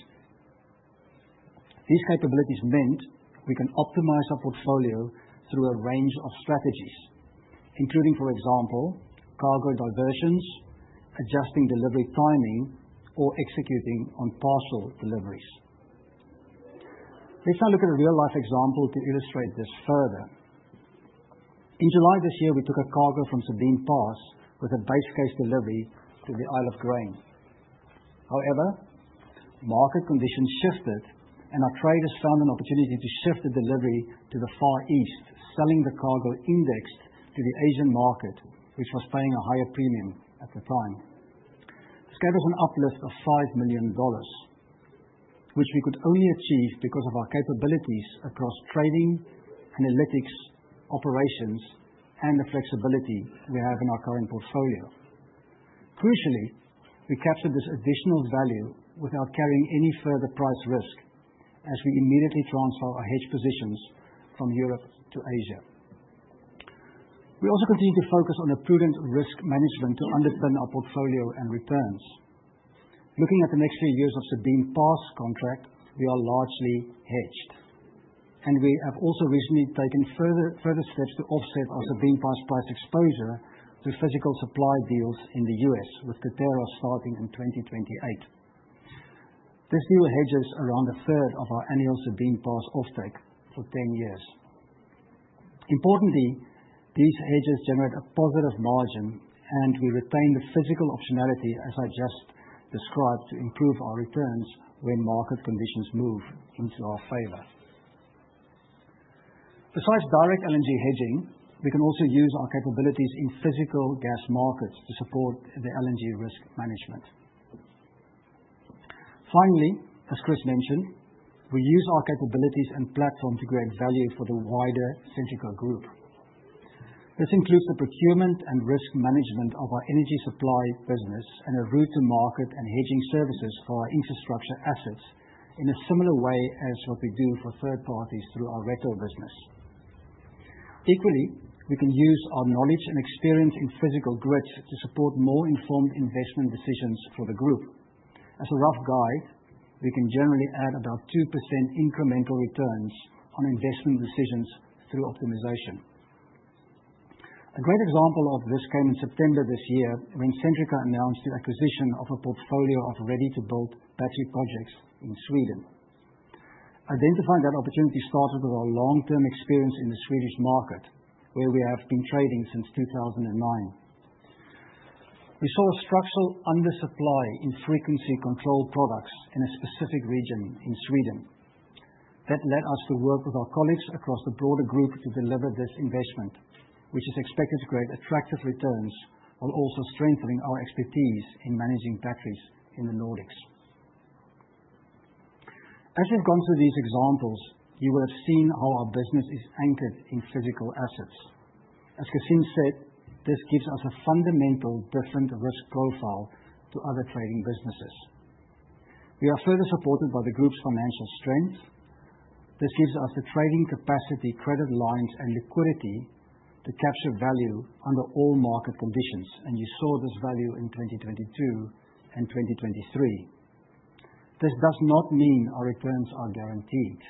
[SPEAKER 4] These capabilities meant we can optimize our portfolio through a range of strategies, including, for example, cargo diversions, adjusting delivery timing, or executing on parcel deliveries. Let's now look at a real-life example to illustrate this further. In July this year, we took a cargo from Sabine Pass with a base case delivery to the Isle of Grain. However, market conditions shifted, and our traders found an opportunity to shift the delivery to the Far East, selling the cargo indexed to the Asian market, which was paying a higher premium at the time. This gave us an uplift of $5 million, which we could only achieve because of our capabilities across trading analytics operations and the flexibility we have in our current portfolio. Crucially, we captured this additional value without carrying any further price risk, as we immediately transfer our hedge positions from Europe to Asia. We also continue to focus on prudent risk management to underpin our portfolio and returns. Looking at the next few years of Sabine Pass contract, we are largely hedged, and we have also recently taken further steps to offset our Sabine Pass price exposure through physical supply deals in the U.S., with Coterra starting in 2028. This deal hedges around a third of our annual Sabine Pass offtake for 10 years. Importantly, these hedges generate a positive margin, and we retain the physical optionality, as I just described, to improve our returns when market conditions move into our favor. Besides direct LNG hedging, we can also use our capabilities in physical gas markets to support the LNG risk management. Finally, as Chris mentioned, we use our capabilities and platform to create value for the wider Centrica Group. This includes the procurement and risk management of our energy supply business and a route-to-market and hedging services for our infrastructure assets in a similar way as what we do for third parties through our RETO business. Equally, we can use our knowledge and experience in physical grids to support more informed investment decisions for the group. As a rough guide, we can generally add about 2% incremental returns on investment decisions through optimization. A great example of this came in September this year when Centrica announced the acquisition of a portfolio of ready-to-build battery projects in Sweden. Identifying that opportunity started with our long-term experience in the Swedish market, where we have been trading since 2009. We saw a structural undersupply in frequency-controlled products in a specific region in Sweden. That led us to work with our colleagues across the broader group to deliver this investment, which is expected to create attractive returns while also strengthening our expertise in managing batteries in the Nordics. As we've gone through these examples, you will have seen how our business is anchored in physical assets. As Cassim Mangerah said, this gives us a fundamental different risk profile to other trading businesses. We are further supported by the group's financial strength. This gives us the trading capacity, credit lines, and liquidity to capture value under all market conditions, and you saw this value in 2022 and 2023. This does not mean our returns are guaranteed.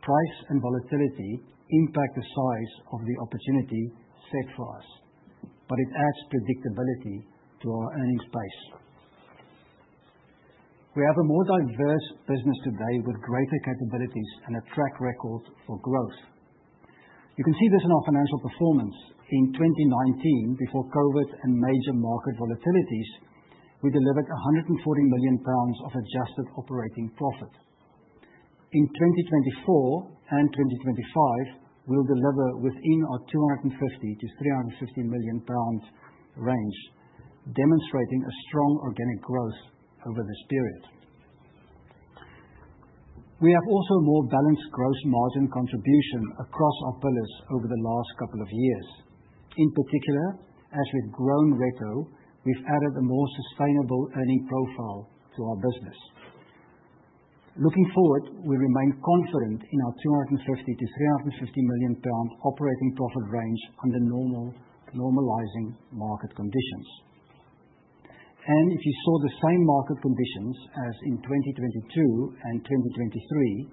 [SPEAKER 4] Price and volatility impact the size of the opportunity set for us, but it adds predictability to our earnings base. We have a more diverse business today with greater capabilities and a track record for growth. You can see this in our financial performance. In 2019, before COVID and major market volatilities, we delivered £140 million of adjusted operating profit. In 2024 and 2025, we'll deliver within our £250-£350 million range, demonstrating a strong organic growth over this period. We have also a more balanced gross margin contribution across our pillars over the last couple of years. In particular, as we've grown RETO, we've added a more sustainable earning profile to our business. Looking forward, we remain confident in our £250-£350 million operating profit range under normalizing market conditions, and if you saw the same market conditions as in 2022 and 2023,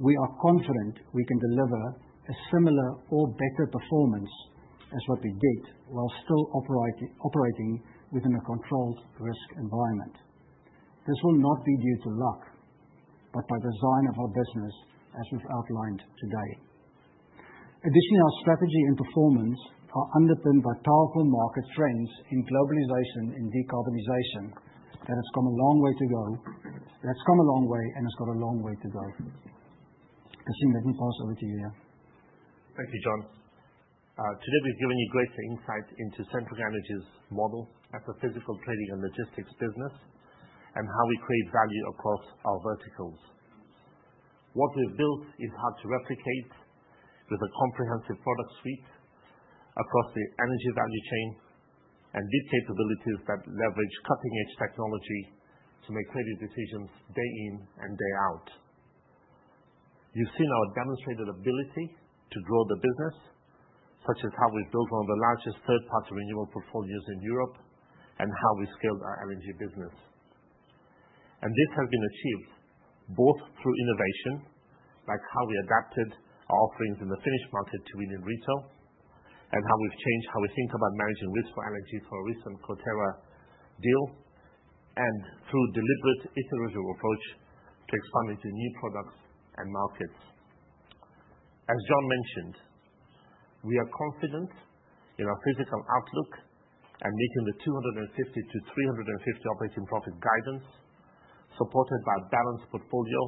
[SPEAKER 4] we are confident we can deliver a similar or better performance as what we did while still operating within a controlled risk environment. This will not be due to luck, but by design of our business, as we've outlined today. Additionally, our strategy and performance are underpinned by powerful market trends in globalization and decarbonization that have come a long way to go, that's come a long way and has got a long way to go. Cassim Mangerah, let me pass over to you now.
[SPEAKER 3] Thank you, John. Today, we've given you greater insight into Centrica Energy's model as a physical trading and logistics business and how we create value across our verticals. What we've built is hard to replicate with a comprehensive product suite across the energy value chain and deep capabilities that leverage cutting-edge technology to make trading decisions day in and day out. You've seen our demonstrated ability to grow the business, such as how we've built one of the largest third-party renewable portfolios in Europe and how we scaled our LNG business. And this has been achieved both through innovation, like how we adapted our offerings in the Finnish market to wind and retail, and how we've changed how we think about managing risk for LNG for a recent Coterra deal, and through a deliberate iterative approach to expand into new products and markets. As John mentioned, we are confident in our physical outlook and meeting the 250-350 operating profit guidance, supported by a balanced portfolio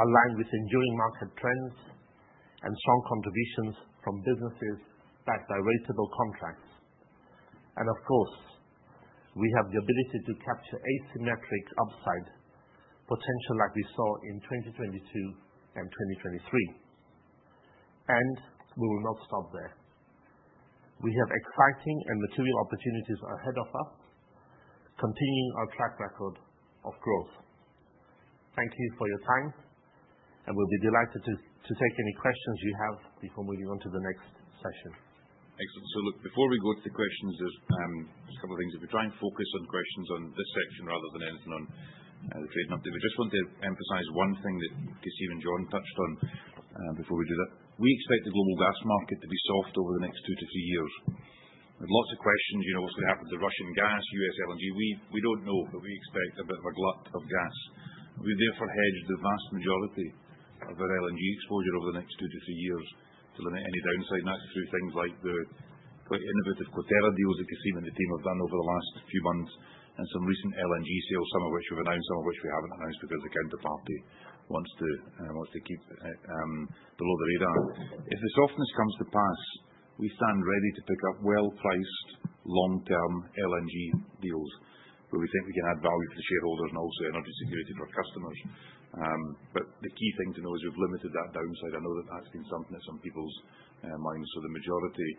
[SPEAKER 3] aligned with enduring market trends and strong contributions from businesses backed by rateable contracts. And of course, we have the ability to capture asymmetric upside potential like we saw in 2022 and 2023. And we will not stop there. We have exciting and material opportunities ahead of us, continuing our track record of growth. Thank you for your time, and we'll be delighted to take any questions you have before moving on to the next session.
[SPEAKER 2] Excellent. So look, before we go to the questions, there's a couple of things. If we try and focus on questions on this section rather than anything on the trade number, we just want to emphasize one thing that Christina and John touched on before we do that. We expect the global gas market to be soft over the next two to three years. There's lots of questions, you know, what's going to happen to Russian gas, US LNG. We don't know, but we expect a bit of a glut of gas. We've therefore hedged the vast majority of our LNG exposure over the next two to three years to limit any downside, and that's through things like the quite innovative Coterra deals that Cassim and the team have done over the last few months and some recent LNG sales, some of which we've announced, some of which we haven't announced because the counterparty wants to keep it below the radar. If the softness comes to pass, we stand ready to pick up well-priced long-term LNG deals where we think we can add value for the shareholders and also energy security for our customers. But the key thing to know is we've limited that downside. I know that that's been something that some people's minds for the majority,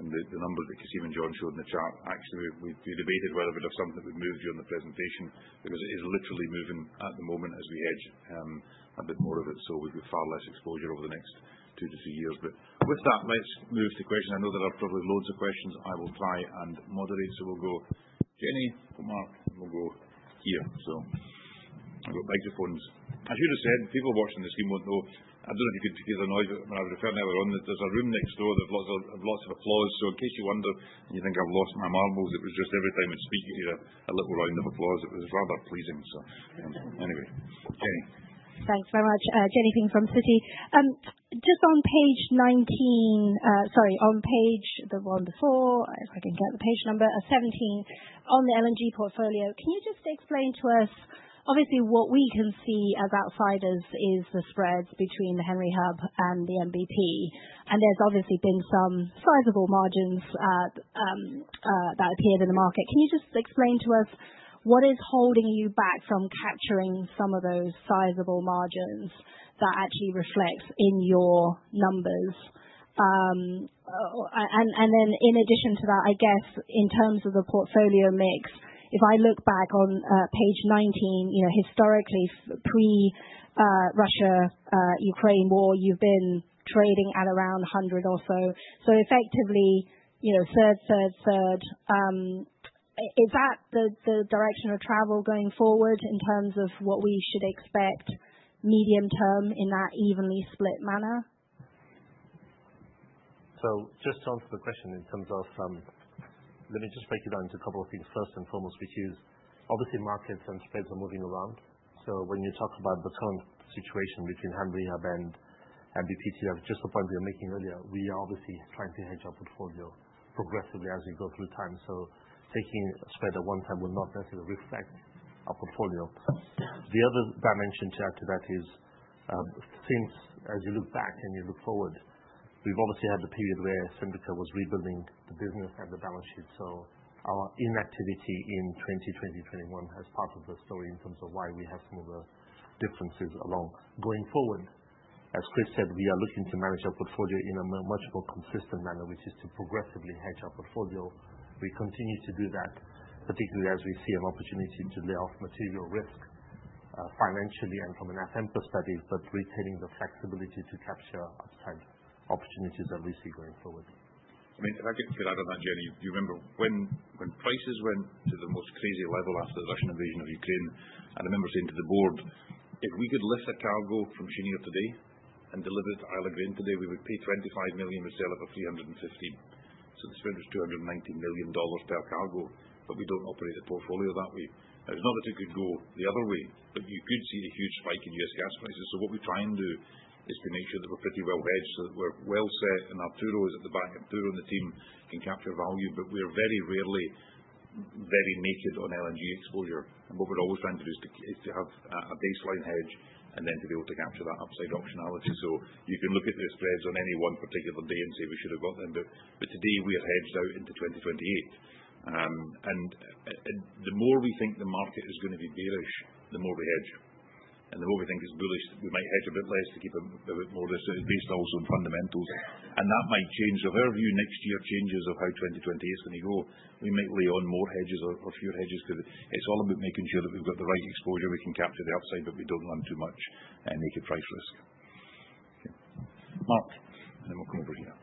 [SPEAKER 2] and the numbers that Cassim and John showed in the chart, actually, we debated whether it was something that we moved during the presentation because it is literally moving at the moment as we hedge a bit more of it, so we've got far less exposure over the next two to three years. But with that, let's move to questions. I know there are probably loads of questions. I will try and moderate, so we'll go Jenny, then Mark, and we'll go here. So I've got microphones. As you just said, people watching this stream won't know, I don't know if you could hear the noise when I refer now. There's a room next door. There's lots of applause. So in case you wonder and you think I've lost my marbles, it was just every time I'd speak at you, a little round of applause. It was rather pleasing. So anyway, Jenny.
[SPEAKER 5] Thanks very much. Jenny Ping from Citi. Just on page 19, sorry, on page the one before, if I can get the page number, 17, on the LNG portfolio, can you just explain to us, obviously, what we can see as outsiders is the spreads between the Henry Hub and the NBP, and there's obviously been some sizable margins that appeared in the market. Can you just explain to us what is holding you back from capturing some of those sizable margins that actually reflects in your numbers? And then in addition to that, I guess in terms of the portfolio mix, if I look back on page 19, you know, historically, pre-Russia-Ukraine war, you've been trading at around 100 or so. So effectively, third, third, third. Is that the direction of travel going forward in terms of what we should expect medium term in that evenly split manner?
[SPEAKER 2] Just to answer the question in terms of, let me just break it down into a couple of things. First and foremost, which is obviously markets and spreads are moving around. So when you talk about the current situation between Henry Hub and NBP, to have just the point we were making earlier, we are obviously trying to hedge our portfolio progressively as we go through time. So taking a spread at one time will not necessarily reflect our portfolio. The other dimension to add to that is, since as you look back and you look forward, we've obviously had the period where Centrica was rebuilding the business and the balance sheet. So our inactivity in 2020, 2021 as part of the story in terms of why we have some of the differences along. Going forward, as Chris said, we are looking to manage our portfolio in a much more consistent manner, which is to progressively hedge our portfolio. We continue to do that, particularly as we see an opportunity to lay off material risk financially and from an FM perspective, but retaining the flexibility to capture upside opportunities that we see going forward. I mean, if I could get out of that, Jenny, do you remember when prices went to the most crazy level after the Russian invasion of Ukraine? And I remember saying to the board, if we could lift a cargo from Sabine Pass today and deliver it to Isle of Grain today, we would pay $25 million instead of $350 million. So the spread was $290 million per cargo, but we don't operate a portfolio that way. Now, it's not that it could go the other way, but you could see a huge spike in US gas prices. So what we try and do is to make sure that we're pretty well hedged so that we're well set and our two rows at the back and two rows in the team can capture value. But we're very rarely very naked on LNG exposure. And what we're always trying to do is to have a baseline hedge and then to be able to capture that upside optionality. So you can look at the spreads on any one particular day and say we should have got them. But today we are hedged out into 2028. And the more we think the market is going to be bearish, the more we hedge. And the more we think it's bullish, we might hedge a bit less to keep a bit more risk. So it's based also on fundamentals. And that might change of our view next year changes of how 2028 is going to go. We might lay on more hedges or fewer hedges because it's all about making sure that we've got the right exposure, we can capture the upside, but we don't run too much naked price risk. Mark, and then we'll come over here.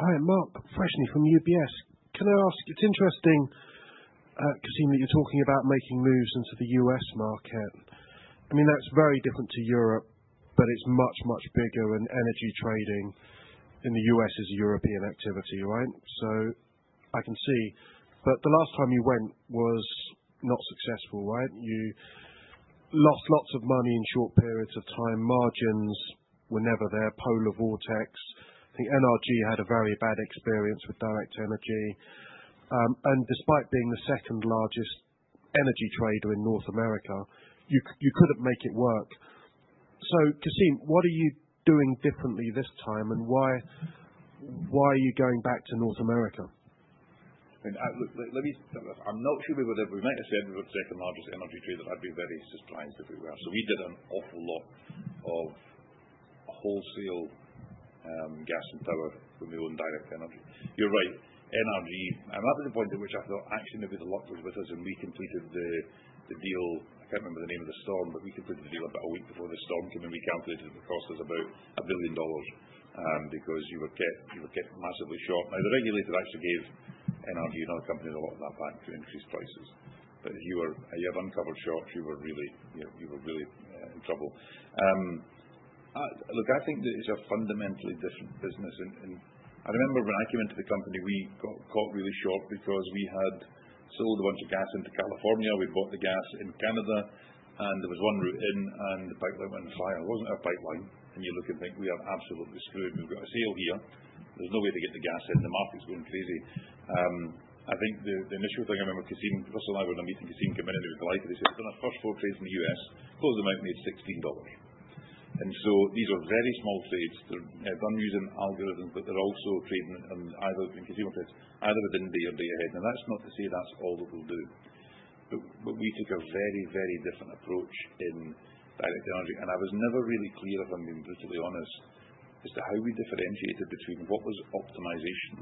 [SPEAKER 6] Hi, Mark Freshney from UBS. Can I ask? It's interesting, Cassim, that you're talking about making moves into the US market. I mean, that's very different to Europe, but it's much, much bigger and energy trading in the U.S. is a European activity, right? So I can see. But the last time you went was not successful, right? You lost lots of money in short periods of time. Margins were never there. Polar Vortex. I think NRG had a very bad experience with Direct Energy. And despite being the second largest energy trader in North America, you couldn't make it work. So Cassim, what are you doing differently this time and why are you going back to North America?
[SPEAKER 2] I mean, look, let me start with this. I'm not sure we would have, we might have said we were the second largest energy trader. I'd be very surprised if we were. So we did an awful lot of wholesale gas and power when we were in Direct Energy. You're right. NRG, and that was the point at which I thought actually maybe the luck was with us and we completed the deal. I can't remember the name of the storm, but we completed the deal about a week before the storm came, and we calculated the cost was about $1 billion because you would get massively short. Now, the regulator actually gave NRG and other companies a lot of that back to increase prices, but if you have uncovered shorts, you were really in trouble. Look, I think that it's a fundamentally different business, and I remember when I came into the company, we got caught really short because we had sold a bunch of gas into California. We'd bought the gas in Canada, and there was one route in and the pipeline went on fire. It wasn't our pipeline, and you look and think we are absolutely screwed. We've got a sale here. There's no way to get the gas in. The market's going crazy. I think the initial thing I remember, Cassim, Russell and I were in a meeting. Cassim came in and he was delighted. He said, "We've done our first four trades in the US." Closed them out and made $16. And so these are very small trades. They're done using algorithms, but they're also trading either in consumer trades, either within day or day ahead. And that's not to say that's all that we'll do. But we took a very, very different approach in Direct Energy. And I was never really clear, if I'm being brutally honest, as to how we differentiated between what was optimization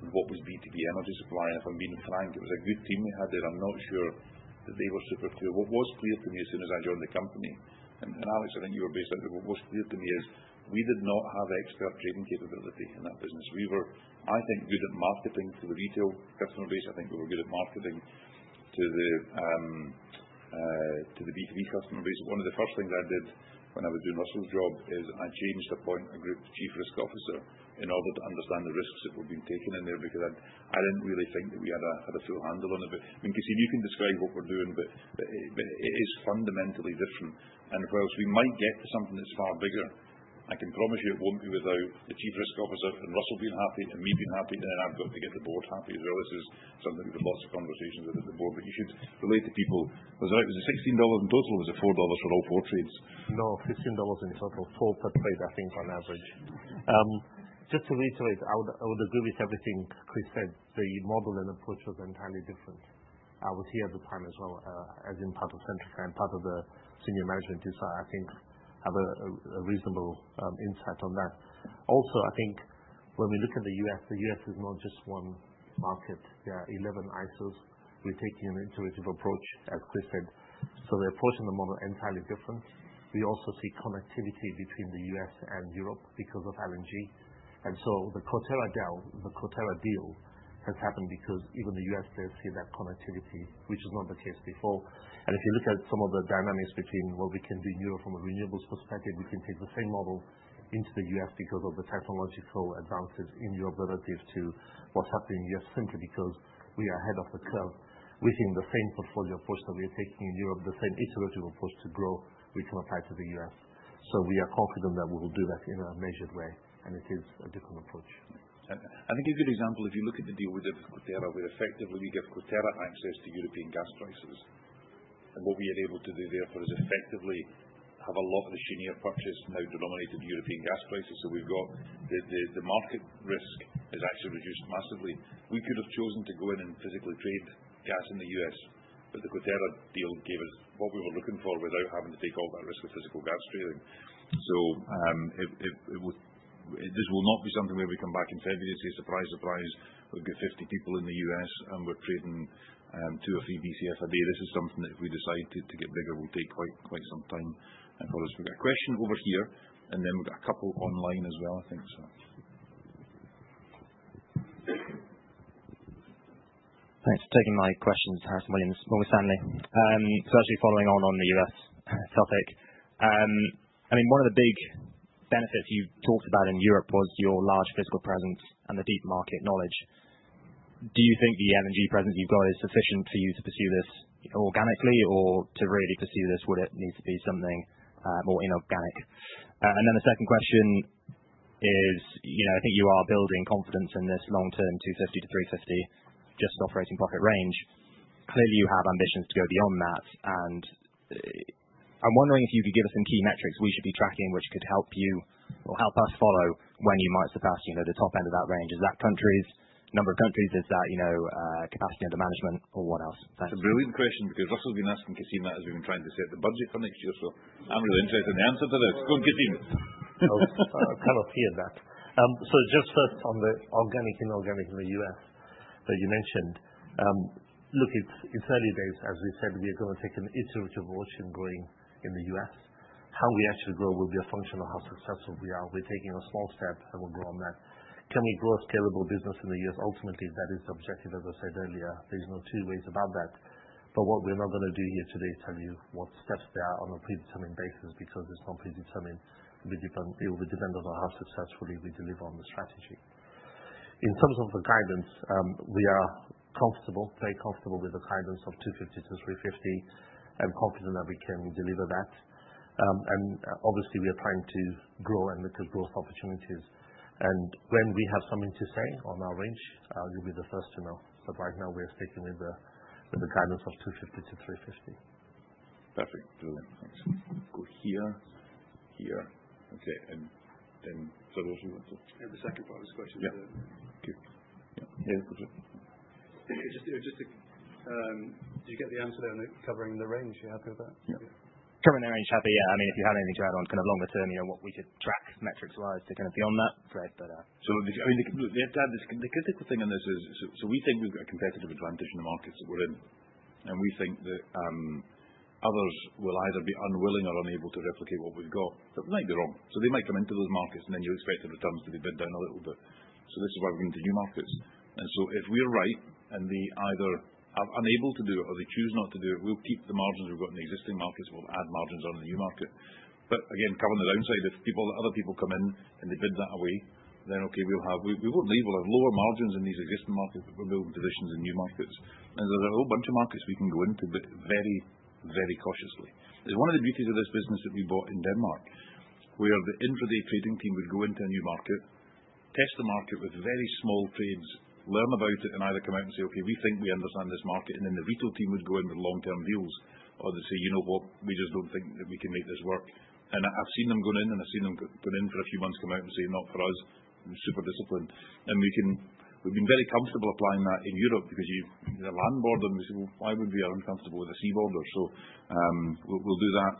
[SPEAKER 2] and what was B2B energy supply. And if I'm being frank, it was a good team we had there. I'm not sure that they were super clear. What was clear to me as soon as I joined the company, and Alex, I think you were based out there. What was clear to me is we did not have expert trading capability in that business. We were, I think, good at marketing to the retail customer base. I think we were good at marketing to the B2B customer base. One of the first things I did when I was doing Russell's job is I changed the point I grouped the Chief Risk Officer in order to understand the risks that were being taken in there because I didn't really think that we had a full handle on it. But I mean, Cassim, you can describe what we're doing, but it is fundamentally different. And of course, we might get to something that's far bigger. I can promise you it won't be without the Chief Risk Officer and Russell being happy and me being happy, and then I've got to get the board happy as well. This is something we've had lots of conversations with the board, but you should relate to people. Was it $16 in total or was it $4 for all four trades?
[SPEAKER 3] No, $15 in total. Four per trade, I think, on average. Just to reiterate, I would agree with everything Chris said. The model and approach was entirely different. I was here at the time as well, as in part of Centrica and part of the senior management, so I think I have a reasonable insight on that. Also, I think when we look at the U.S., the U.S. is not just one market. There are 11 ISOs. We're taking an iterative approach, as Chris said. So the approach and the model are entirely different. We also see connectivity between the US and Europe because of LNG. And so the Coterra deal has happened because even the US players see that connectivity, which is not the case before. And if you look at some of the dynamics between what we can do in Europe from a renewables perspective, we can take the same model into the US because of the technological advances in your ability to what's happening in the US simply because we are ahead of the curve. We think the same portfolio approach that we are taking in Europe, the same iterative approach to grow, we can apply to the US. So we are confident that we will do that in a measured way, and it is a different approach.
[SPEAKER 2] I think a good example, if you look at the deal with Coterra, we effectively give Coterra access to European gas prices, and what we are able to do therefore is effectively have a lot of the LNG purchase now denominated European gas prices. So we've got, the market risk has actually reduced massively. We could have chosen to go in and physically trade gas in the US, but the Coterra deal gave us what we were looking for without having to take all that risk of physical gas trading. So this will not be something where we come back in February and say, "Surprise, surprise, we've got 50 people in the US and we're trading two or three BCF a day." This is something that if we decide to get bigger, will take quite some time for us. We've got a question over here, and then we've got a couple online as well, I think so.
[SPEAKER 7] Thanks for taking my questions, Harrison Williams. It's Morgan Stanley. So actually following on the U.S. topic, I mean, one of the big benefits you talked about in Europe was your large physical presence and the deep market knowledge. Do you think the LNG presence you've got is sufficient for you to pursue this organically or to really pursue this? Would it need to be something more inorganic? And then the second question is, I think you are building confidence in this long-term £250-£350 just operating profit range. Clearly, you have ambitions to go beyond that. And I'm wondering if you could give us some key metrics we should be tracking, which could help you or help us follow when you might surpass the top end of that range. Is that countries, number of countries? Is that capacity under management or what else?
[SPEAKER 2] Thanks. It's a brilliant question because Russell's been asking Cassim as we've been trying to set the budget for next year. So I'm really interested in the answer to this. Go on, Cassim.
[SPEAKER 3] I'll come back to that. So just first on the organic, inorganic in the US that you mentioned, look, it's early days. As we said, we are going to take an iterative approach in growing in the US. How we actually grow will be a function of how successful we are. We're taking a small step and we'll grow on that. Can we grow a scalable business in the US? Ultimately, that is the objective, as I said earlier. There's no two ways about that. But what we're not going to do here today is tell you what steps there are on a predetermined basis because it's not predetermined. It will be dependent on how successfully we deliver on the strategy. In terms of the guidance, we are comfortable, very comfortable with the guidance of 250 to 350 and confident that we can deliver that. And obviously, we are trying to grow and look at growth opportunities. And when we have something to say on our range, you'll be the first to know. But right now, we are sticking with the guidance of 250 to 350.
[SPEAKER 2] Perfect. Brilliant. Thanks. Go here, here. Okay. And then is that what you wanted?
[SPEAKER 7] Yeah, the second part of this question. Yeah.
[SPEAKER 2] Okay. Yeah. Yeah, go for it.
[SPEAKER 7] Just to do you get the answer there on covering the range? You happy with that?
[SPEAKER 3] Yeah. Covering the range, happy. Yeah. I mean, if you had anything to add on kind of longer term, you know what we could track metrics wise to kind of beyond that thread, but.
[SPEAKER 2] So I mean, look, the critical thing in this is, so we think we've got a competitive advantage in the markets that we're in. We think that others will either be unwilling or unable to replicate what we've got. That might be wrong. So they might come into those markets and then you expect the returns to be bent down a little bit. So this is why we're going to new markets. If we're right and they either are unable to do it or they choose not to do it, we'll keep the margins we've got in existing markets and we'll add margins on in the new market. But again, covering the downside, if other people come in and they bid that away, then okay, we won't leave. We'll have lower margins in these existing markets, but we're building positions in new markets. And there's a whole bunch of markets we can go into, but very, very cautiously. There's one of the beauties of this business that we bought in Denmark, where the intraday trading team would go into a new market, test the market with very small trades, learn about it, and either come out and say, "Okay, we think we understand this market." And then the retail team would go into the long-term deals or they'd say, "You know what? We just don't think that we can make this work." And I've seen them go in for a few months, come out and say, "Not for us." Super disciplined. We've been very comfortable applying that in Europe because you're a land border and we say, "Well, why would we be uncomfortable with a sea border?" We'll do that.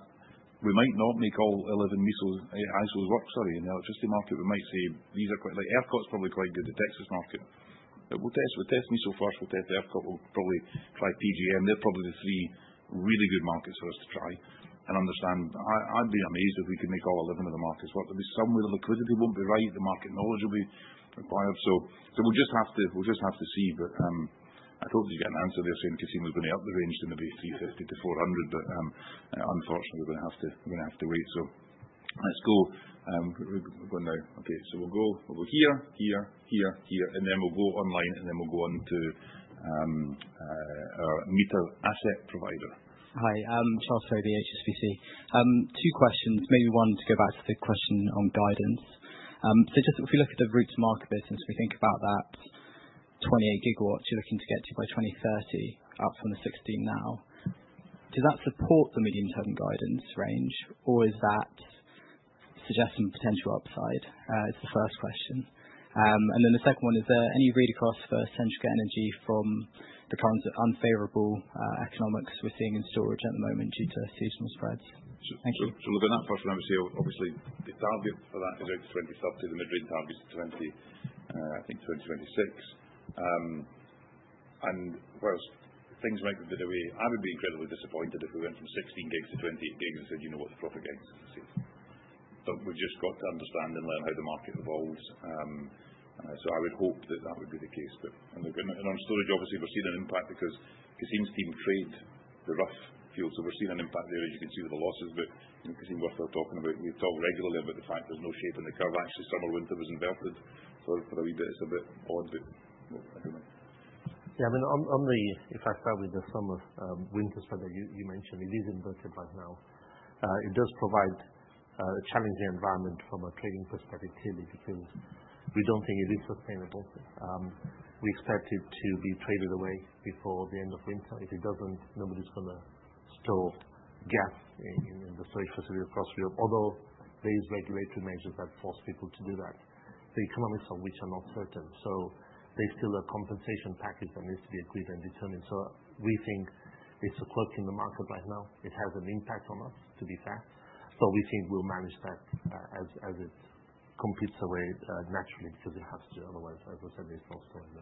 [SPEAKER 2] We might not make all 11 ISOs work, sorry, in the electricity market. We might say these are quite like ERCOT probably quite good to Texas market. We'll test. We'll test MISO first. We'll test ERCOT. We'll probably try PJM. They're probably the three really good markets for us to try and understand. I'd be amazed if we could make all eleven of the markets. Somehow the liquidity won't be right. The market knowledge will be required. We'll just have to see. I thought you'd get an answer there saying Cassim was going to up the range to maybe 350-400, but unfortunately, we're going to have to wait. So let's go. We're going now. Okay. So we'll go over here, here, here, here, and then we'll go online and then we'll go on to our meter asset provider. Hi. Charles Fish, the HSBC. Two questions, maybe one to go back to the question on guidance. So just if we look at the route to market business, we think about that 28 gigawatts you're looking to get to by 2030, up from the 16 now. Does that support the medium-term guidance range or is that suggesting potential upside? It's the first question. And then the second one is, is there any read across for Centrica Energy from the current unfavorable economics we're seeing in storage at the moment due to seasonal spreads? Thank you. So look at that profitability. Obviously, the target for that is out to 2030. The mid-range target is 20, I think 2026. And what else? Things might be a bit away. I would be incredibly disappointed if we went from 16 gigs to 28 gigs and said, "You know what the profit gain is going to see." But we've just got to understand and learn how the market evolves. So I would hope that that would be the case. But look, and on storage, obviously, we've seen an impact because Cassim's team trade the Rough fuel. So we've seen an impact there, as you can see with the losses. But Cassim and Russell are talking about, we talk regularly about the fact there's no shape in the curve. Actually, summer winter was inverted. So for a wee bit, it's a bit odd, but I don't know.
[SPEAKER 3] Yeah. I mean, on the, if I start with the summer winter spread that you mentioned, it is inverted right now. It does provide a challenging environment from a trading perspective clearly because we don't think it is sustainable. We expect it to be traded away before the end of winter. If it doesn't, nobody's going to store gas in the storage facility across Europe, although there are regulatory measures that force people to do that. The economics of which are not certain. So there's still a compensation package that needs to be agreed and determined. So we think it's a quirk in the market right now. It has an impact on us, to be fair. But we think we'll manage that as it computes away naturally because it has to. Otherwise, as I said, there's no storage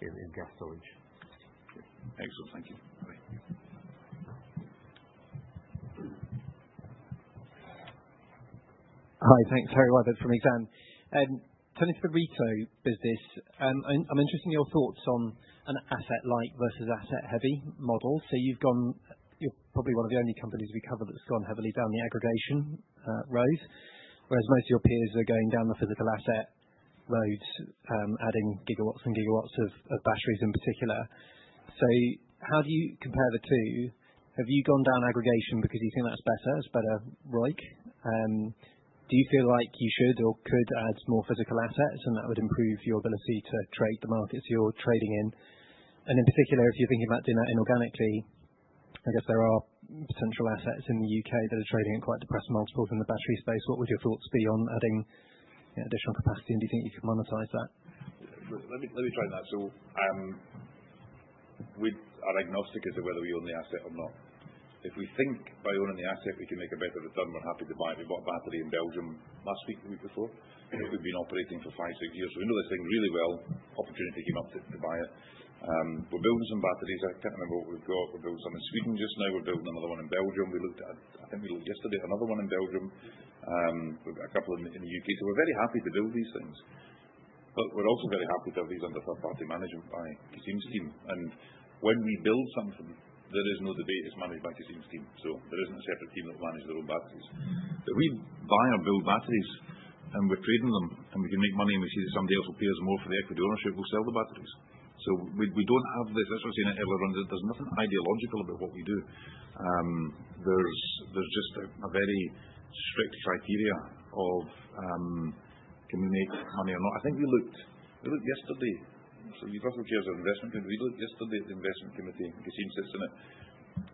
[SPEAKER 3] in gas storage. Excellent. Thank you.
[SPEAKER 8] Hi. Thanks, Harry Wyburd from Exane BNP Paribas. Turning to the retail business, I'm interested in your thoughts on an asset-light versus asset-heavy model. So, you've gone—you're probably one of the only companies we cover that's gone heavily down the aggregation road, whereas most of your peers are going down the physical asset road, adding gigawatts and gigawatts of batteries in particular. How do you compare the two? Have you gone down aggregation because you think that's better? It's better ROCE. Do you feel like you should or could add more physical assets? And that would improve your ability to trade the markets you're trading in. And, in particular, if you're thinking about doing that inorganically, I guess there are potential assets in the UK that are trading at quite depressed multiples in the battery space. What would your thoughts be on adding additional capacity? And do you think you could monetize that?
[SPEAKER 2] Let me try that. We're agnostic as to whether we own the asset or not. If we think by owning the asset, we can make a better return, we're happy to buy it. We bought a battery in Belgium last week, the week before. We've been operating for five, six years. So we know this thing really well. Opportunity came up to buy it. We're building some batteries. I can't remember what we've got. We're building something in Sweden just now. We're building another one in Belgium. We looked at, I think we looked yesterday, another one in Belgium. We've got a couple in the UK. So we're very happy to build these things. But we're also very happy to have these under third-party management by Cassim's team. And when we build something, there is no debate. It's managed by Cassim's team. So there isn't a separate team that will manage their own batteries. But we buy and build batteries, and we're trading them, and we can make money, and we see that somebody else will pay us more for the equity ownership. We'll sell the batteries. We don't have this, as I was saying earlier. There's nothing ideological about what we do. There's just a very strict criteria of can we make money or not. I think we looked yesterday. You've got some chairs of investment committee. We looked yesterday at the investment committee. Cassim sits in it.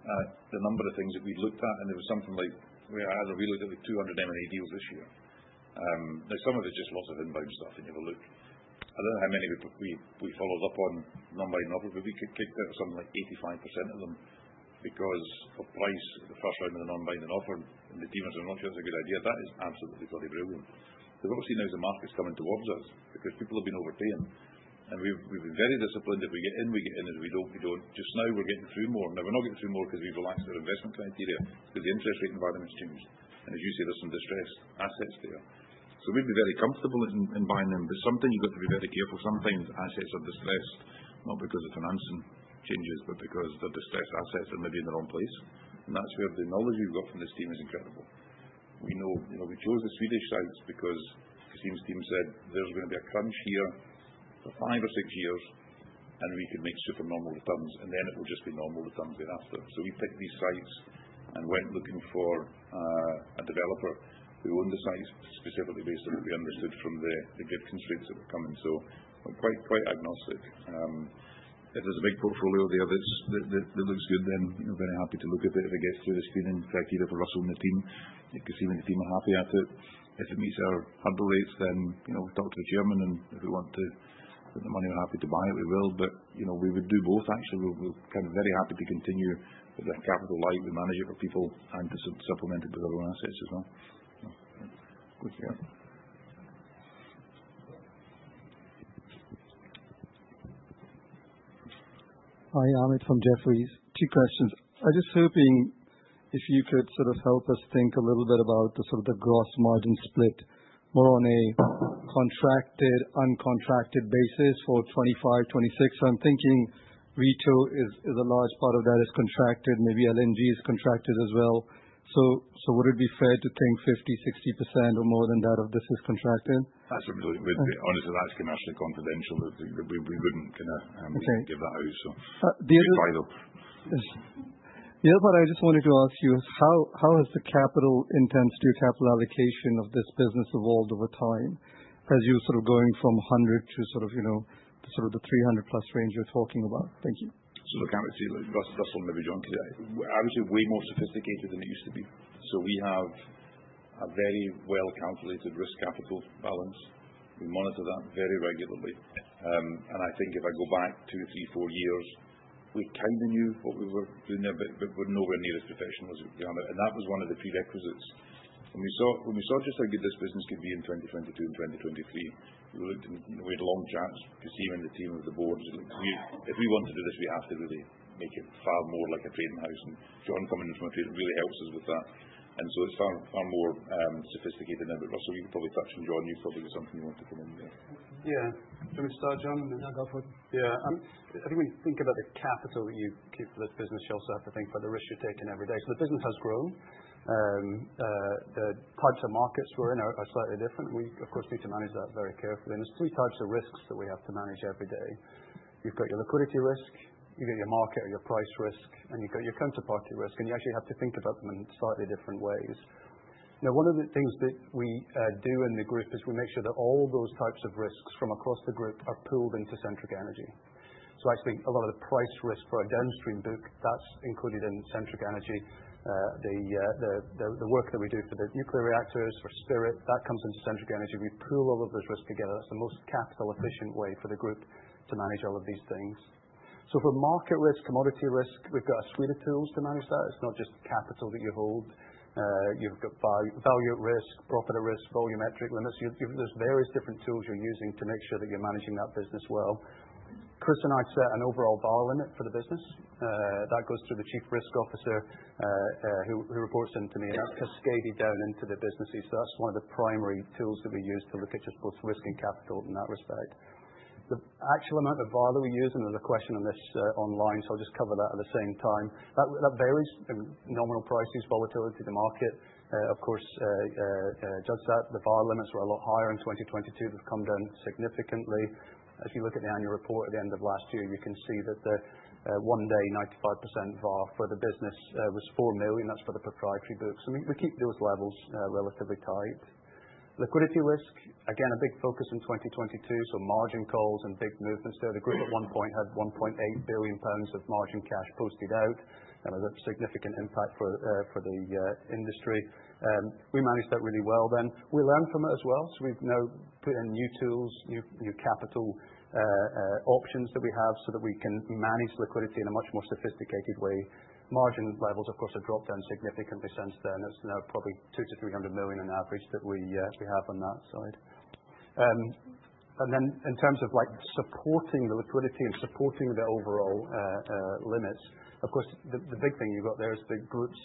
[SPEAKER 2] The number of things that we'd looked at, and there was something like, we looked at like 200 M&A deals this year. Now, some of it's just lots of inbound stuff that you ever look. I don't know how many we followed up on non-binding offer, but we kicked out something like 85% of them because of price the first round of the non-binding offer. And the team has been like, "Oh, that's a good idea." That is absolutely bloody brilliant. But what we've seen now is the market's coming towards us because people have been overpaying. And we've been very disciplined. If we get in, we get in. If we don't, we don't. Just now, we're getting through more. Now, we're not getting through more because we've relaxed our investment criteria because the interest rate environment's changed. And as you say, there's some distressed assets there. So we'd be very comfortable in buying them, but sometimes you've got to be very careful. Sometimes assets are distressed, not because the financing changes, but because the distressed assets are maybe in the wrong place. That's where the knowledge we've got from this team is incredible. We know we chose the Swedish sites because Cassim's team said there's going to be a crunch here for five or six years, and we could make super normal returns, and then it will just be normal returns thereafter. So we picked these sites and went looking for a developer. We owned the sites specifically based on what we understood from the grid constraints that were coming. So we're quite agnostic. If there's a big portfolio there that looks good, then we're very happy to look at it if it gets through the screening. In fact, even for Russell and the team, Cassim and the team are happy at it. If it meets our hurdle rates, then we'll talk to the chairman, and if we want to put the money, we're happy to buy it. We will. But we would do both, actually. We're kind of very happy to continue with a capital light. We manage it for people and to supplement it with our own assets as well.
[SPEAKER 8] Good. Yeah. Hi, Ahmed from Jefferies. Two questions. I was just hoping if you could sort of help us think a little bit about the sort of the gross margin split more on a contracted, uncontracted basis for 2025, 2026. So I'm thinking retail is a large part of that is contracted. Maybe LNG is contracted as well. So would it be fair to think 50-60% or more than that of this is contracted?
[SPEAKER 2] That's a really good question. Honestly, that's commercially confidential. We wouldn't kind of give that out. So just buy it up. Yeah, but I just wanted to ask you, how has the capital intensity or capital allocation of this business evolved over time as you're sort of going from 100 to sort of the 300 plus range you're talking about? Thank you. Look, I'm with you. Russell may be joining today. I would say way more sophisticated than it used to be. So we have a very well-calculated risk capital balance. We monitor that very regularly. And I think if I go back two, three, four years, we kind of knew what we were doing there, but we're nowhere near as professional as we are now. And that was one of the prerequisites. When we saw just how good this business could be in 2022 and 2023, we looked and we had long chats with Cassim Mangerah and the team of the board. If we want to do this, we have to really make it far more like a trading house. And John coming in from a trading really helps us with that. And so it's far more sophisticated now. But Russell, you could probably touch on John. You probably got something you want to come in with.
[SPEAKER 9] Yeah. Shall we start, John, and then I'll go for it?
[SPEAKER 4] Yeah. I think when you think about the capital that you keep for this business, you also have to think about the risk you're taking every day. So the business has grown. The types of markets we're in are slightly different. And we, of course, need to manage that very carefully. And there's three types of risks that we have to manage every day. You've got your liquidity risk. You've got your market or your price risk. And you've got your counterparty risk. You actually have to think about them in slightly different ways. Now, one of the things that we do in the group is we make sure that all those types of risks from across the group are pooled into Centrica Energy. Actually, a lot of the price risk for our downstream book, that's included in Centrica Energy. The work that we do for the nuclear reactors, for Spirit, that comes into Centrica Energy. We pool all of those risks together. That's the most capital-efficient way for the group to manage all of these things. For market risk, commodity risk, we've got a suite of tools to manage that. It's not just capital that you hold. You've got Value at Risk, Profit at Risk, volumetric limits. There's various different tools you're using to make sure that you're managing that business well. Chris and I set an overall VaR limit for the business. That goes through the Chief Risk Officer who reports in to me, and that's cascaded down into the businesses. So that's one of the primary tools that we use to look at just both risk and capital in that respect. The actual amount of VaR that we use, and there's a question on this online, so I'll just cover that at the same time. That varies. Nominal prices, volatility to market, of course, judge that. The VaR limits were a lot higher in 2022. They've come down significantly. If you look at the annual report at the end of last year, you can see that the one-day 95% VaR for the business was £4 million. That's for the proprietary book. So we keep those levels relatively tight. Liquidity risk, again, a big focus in 2022. So margin calls and big movements there. The group at one point had 1.8 billion pounds of margin cash posted out. That was a significant impact for the industry. We managed that really well then. We learned from it as well. So we've now put in new tools, new capital options that we have so that we can manage liquidity in a much more sophisticated way. Margin levels, of course, have dropped down significantly since then. It's now probably 200-300 million on average that we have on that side. And then in terms of supporting the liquidity and supporting the overall limits, of course, the big thing you've got there is the group's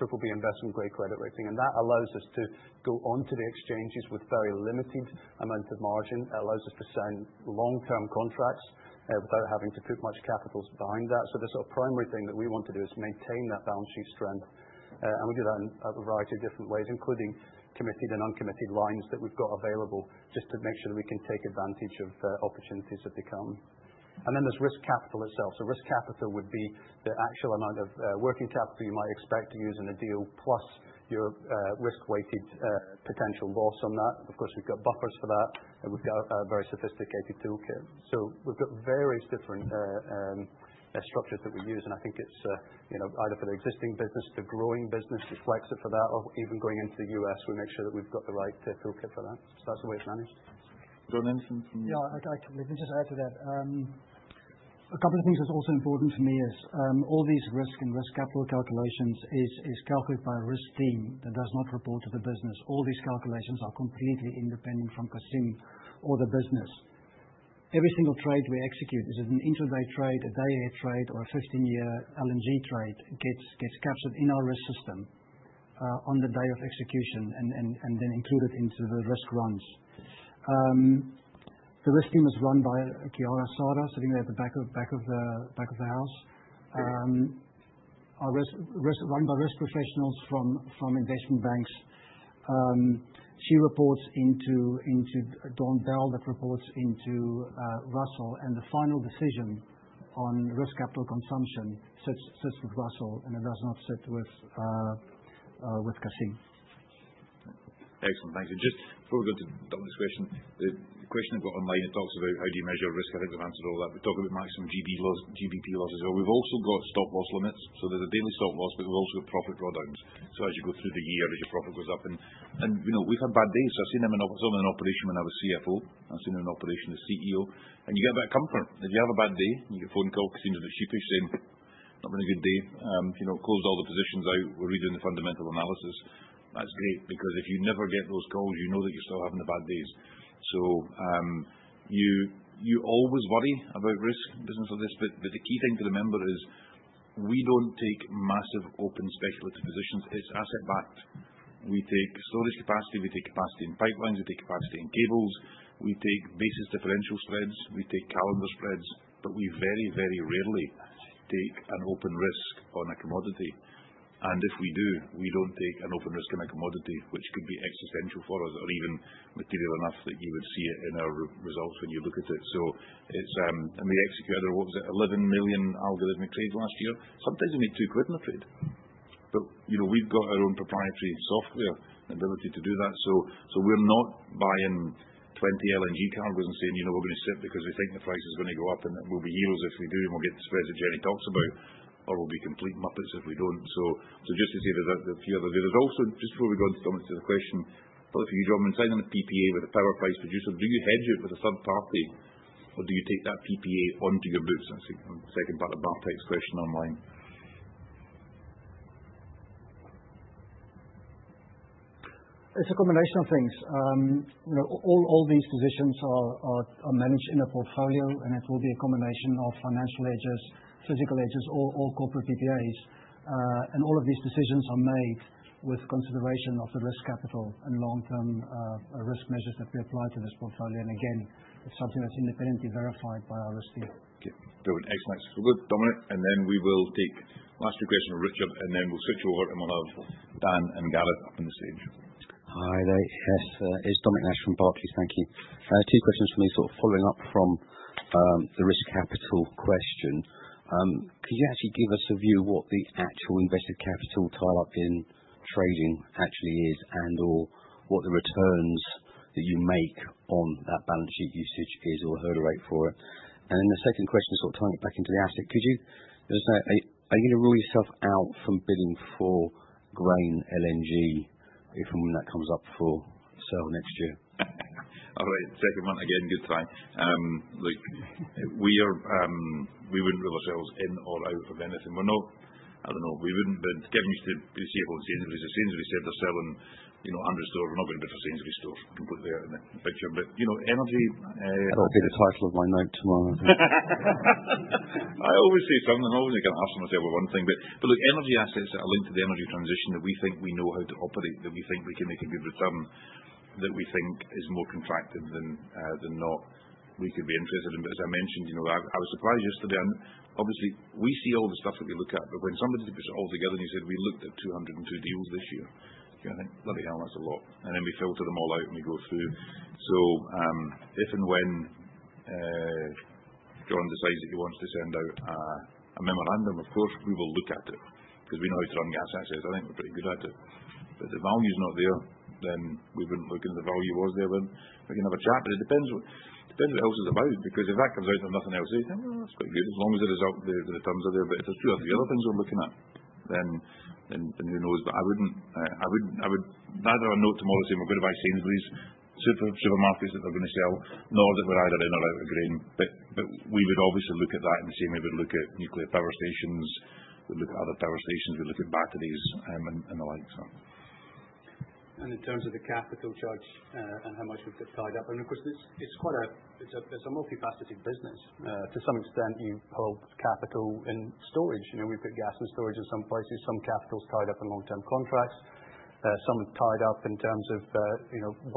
[SPEAKER 4] triple-B investment-grade credit rating. And that allows us to go onto the exchanges with very limited amount of margin. It allows us to sign long-term contracts without having to put much capitals behind that. The sort of primary thing that we want to do is maintain that balance sheet strength. We do that in a variety of different ways, including committed and uncommitted lines that we've got available just to make sure that we can take advantage of opportunities that they come. Then there's risk capital itself. Risk capital would be the actual amount of working capital you might expect to use in a deal plus your risk-weighted potential loss on that. Of course, we've got buffers for that, and we've got a very sophisticated toolkit. We've got various different structures that we use. I think it's either for the existing business, the growing business, the flexibility for that, or even going into the U.S., we make sure that we've got the right toolkit for that. That's the way it's managed.
[SPEAKER 2] Yeah, I can just add to that. A couple of things that's also important to me is all these risk and risk capital calculations is calculated by a risk team that does not report to the business. All these calculations are completely independent from Cassim or the business. Every single trade we execute, is it an intraday trade, a day-year trade, or a 15-year LNG trade, gets captured in our risk system on the day of execution and then included into the risk runs. The risk team is run by Chiara Sarda, sitting there at the back of the house. Run by risk professionals from investment banks. She reports into Dan Bell that reports into Russell. And the final decision on risk capital consumption sits with Russell and it does not sit with Cassim. Excellent. Thanks. Just before we go to Don's question, the question I've got online that talks about how do you measure risk? I think we've answered all that. We've talked about maximum GBP losses. We've also got stop-loss limits. So there's a daily stop-loss, but we've also got profit drawdowns. So as you go through the year, as your profit goes up. And we've had bad days. I've seen them in some of them in operation when I was CFO. I've seen them in operation as CEO. And you get a bit of comfort. If you have a bad day, you get a phone call, Cassim's a bit sheepish, saying, "Not been a good day. Closed all the positions out. We're redoing the fundamental analysis." That's great because if you never get those calls, you know that you're still having the bad days. You always worry about risk in business like this. But the key thing to remember is we don't take massive open speculative positions. It's asset-backed. We take storage capacity. We take capacity in pipelines. We take capacity in cables. We take basis differential spreads. We take calendar spreads. But we very, very rarely take an open risk on a commodity. And if we do, we don't take an open risk on a commodity, which could be existential for us or even material enough that you would see it in our results when you look at it. And we executed our (what was it?) 11 million algorithmic trades last year. Sometimes we made two quid on a trade. But we've got our own proprietary software and ability to do that. So we're not buying 20 LNG cargoes and saying, "We're going to sit because we think the price is going to go up and we'll be heroes if we do and we'll get the spreads that Jenny talks about, or we'll be complete muppets if we don't." So just to say there's also just before we go into Dominic's question, I thought if you join me in signing a PPA with a power price producer, do you hedge it with a third party or do you take that PPA onto your books? That's the second part of Dominic's question online.
[SPEAKER 3] It's a combination of things. All these positions are managed in a portfolio, and it will be a combination of financial hedges, physical hedges, all corporate PPAs. All of these decisions are made with consideration of the risk capital and long-term risk measures that we apply to this portfolio. And again, it's something that's independently verified by our risk team.
[SPEAKER 2] Okay. Excellent. So good, Dominic. And then we will take the last few questions from Richard, and then we'll switch over and we'll have Dan and Gareth up on the stage.
[SPEAKER 10] Hi, there. Yes. It's Dominic Nash from Barclays. Thank you. Two questions for me sort of following up from the risk capital question. Could you actually give us a view of what the actual invested capital tie-up in trading actually is and/or what the returns that you make on that balance sheet usage is or hurdle rate for it? And then the second question is sort of tying it back into the asset. Could you just say, are you going to rule yourself out from bidding for Grain LNG if and when that comes up for sale next year?
[SPEAKER 2] All right. Second one. Again, good try. Look, we wouldn't rule ourselves in or out of anything. We're not. I don't know. We wouldn't, but given you've said CFO and CNC, CNC said they're selling 100 stores. We're not going to bid for CNC stores. Completely out of the picture. But energy. That'll be the title of my note tomorrow. I always say something. I'm always going to ask myself one thing. But look, energy assets that are linked to the energy transition that we think we know how to operate, that we think we can make a good return, that we think is more contracted than not, we could be interested in. But as I mentioned, I was surprised yesterday. Obviously, we see all the stuff that we look at. When somebody puts it all together and you said, "We looked at 202 deals this year," you're going to think, "Bloody hell, that's a lot." Then we filter them all out and we go through. If and when John decides that he wants to send out a memorandum, of course, we will look at it because we know how to run the assets. I think we're pretty good at it. If the value's not there, then we wouldn't look at it. The value was there, then we can have a chat. It depends what else is available because if that comes out and nothing else, they think, "Well, that's quite good as long as the returns are there." If there's two or three other things we're looking at, then who knows? But I would neither have a note tomorrow saying, "We're going to buy CNC supermarkets that they're going to sell," nor that we're either in or out of Grain, but we would obviously look at that in the same way we would look at nuclear power stations. We'd look at other power stations. We'd look at batteries and the like.
[SPEAKER 3] And in terms of the capital charge and how much we've got tied up. And of course, it's a multifaceted business. To some extent, you hold capital in storage. We've got gas in storage in some places. Some capital's tied up in long-term contracts. Some are tied up in terms of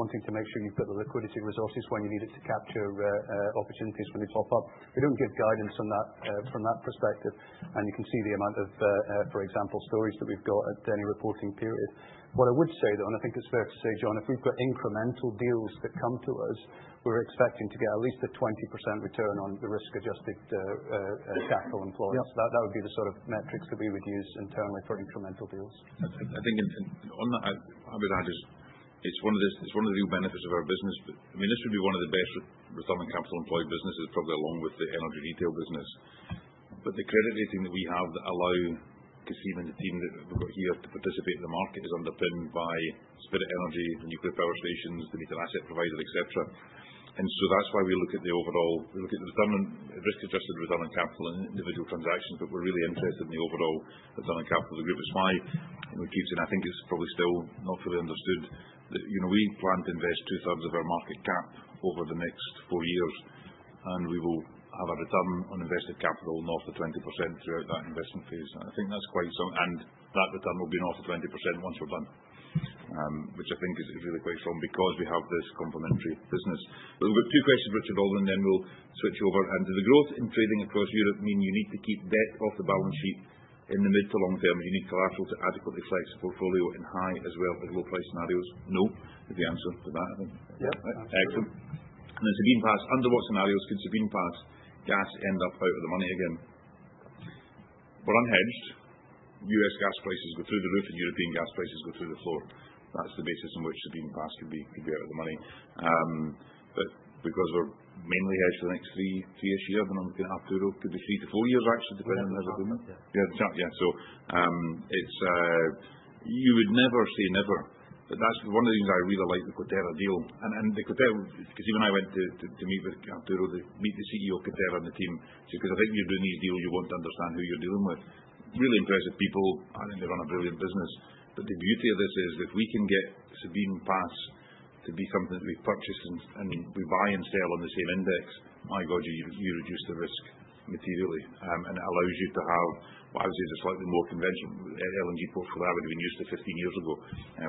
[SPEAKER 3] wanting to make sure you've got the liquidity resources when you need it to capture opportunities when they turn up. We don't give guidance from that perspective. You can see the amount of, for example, storages that we've got at any reporting period. What I would say, though, and I think it's fair to say, John, if we've got incremental deals that come to us, we're expecting to get at least a 20% return on the risk-adjusted capital employed. So that would be the sort of metrics that we would use internally for incremental deals.
[SPEAKER 2] I think on that, I would add it's one of the real benefits of our business. I mean, this would be one of the best returning capital-employed businesses, probably along with the energy retail business. But the credit rating that we have that allows Cassim and the team that we've got here to participate in the market is underpinned by Spirit Energy, the nuclear power stations, the meter asset provider, etc. And so that's why we look at the overall, we look at the risk-adjusted return on capital in individual transactions, but we're really interested in the overall return on capital of the group. It's why we keep saying, I think it's probably still not fully understood, that we plan to invest two-thirds of our market cap over the next four years, and we will have a return on invested capital north of 20% throughout that investment phase. And I think that's quite something. And that return will be north of 20% once we're done, which I think is really quite strong because we have this complementary business. But we've got two questions, Richard, and then we'll switch over. And does the growth in trading across Europe mean you need to keep debt off the balance sheet in the mid to long term? Do you need collateral to adequately flex a portfolio in high as well as low-price scenarios? No. Is the answer to that, I think?
[SPEAKER 10] Yep. Excellent.
[SPEAKER 2] And then Sabine Pass, under what scenarios could Sabine Pass gas end up out of the money again? We're unhedged. US gas prices go through the roof and European gas prices go through the floor. That's the basis on which Sabine Pass could be out of the money. But because we're mainly hedged for the next three-ish years, then I'm looking at Arturo. It could be three to four years, actually, depending on the government. Yeah. Yeah. So you would never say never. But that's one of the things I really like, the Coterra deal. And Cassim and I went to meet with Arturo, to meet the CEO, Coterra, and the team. She said, "Because I think you're doing these deals, you want to understand who you're dealing with." Really impressive people. I think they run a brilliant business. But the beauty of this is if we can get Sabine Pass to be something that we purchase and we buy and sell on the same index, my God, you reduce the risk materially. And it allows you to have what I would say is a slightly more conventional LNG portfolio I would have been used to 15 years ago,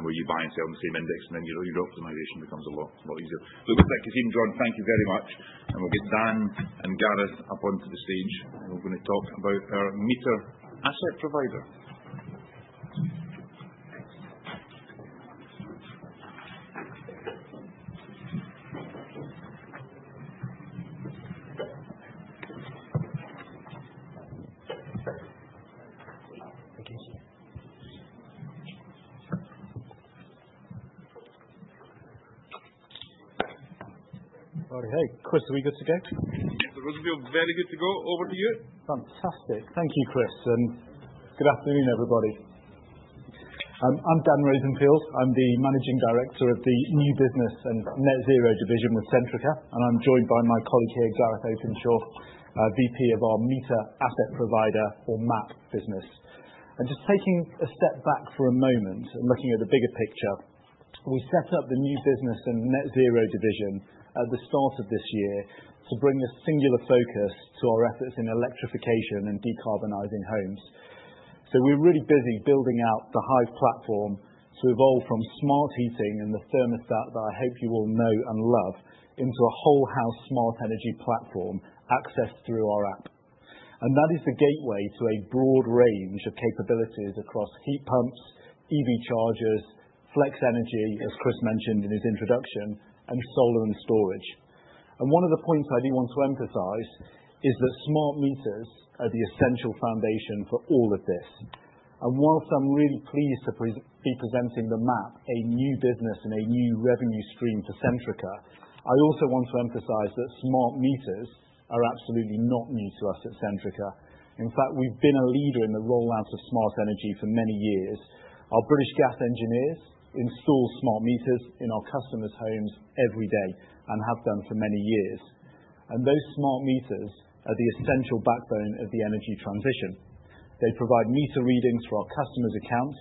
[SPEAKER 2] where you buy and sell on the same index, and then your optimization becomes a lot easier. Look, Cassim, John, thank you very much. And we'll get Dan and Gareth up onto the stage, and we're going to talk about our meter asset provider.
[SPEAKER 11] All right. Hey, Chris, are we good to go?
[SPEAKER 2] Yep. The mics will be all very good to go. Over to you.
[SPEAKER 11] Fantastic. Thank you, Chris. Good afternoon, everybody. I'm Dan Rosenfield. I'm the Managing Director of the new business and Net Zero division with Centrica. I'm joined by my colleague here, Gareth Openshaw, VP of our meter asset provider or MAP business. Just taking a step back for a moment and looking at the bigger picture, we set up the new business and Net Zero division at the start of this year to bring a singular focus to our efforts in electrification and decarbonizing homes. We're really busy building out the Hive platform to evolve from smart heating and the thermostat that I hope you all know and love into a whole-house smart energy platform accessed through our app. That is the gateway to a broad range of capabilities across heat pumps, EV chargers, flex energy, as Chris mentioned in his introduction, and solar and storage. One of the points I do want to emphasize is that smart meters are the essential foundation for all of this. While I'm really pleased to be presenting the MAP, a new business and a new revenue stream for Centrica, I also want to emphasize that smart meters are absolutely not new to us at Centrica. In fact, we've been a leader in the rollout of smart energy for many years. Our British Gas engineers install smart meters in our customers' homes every day and have done for many years. Those smart meters are the essential backbone of the energy transition. They provide meter readings for our customers' accounts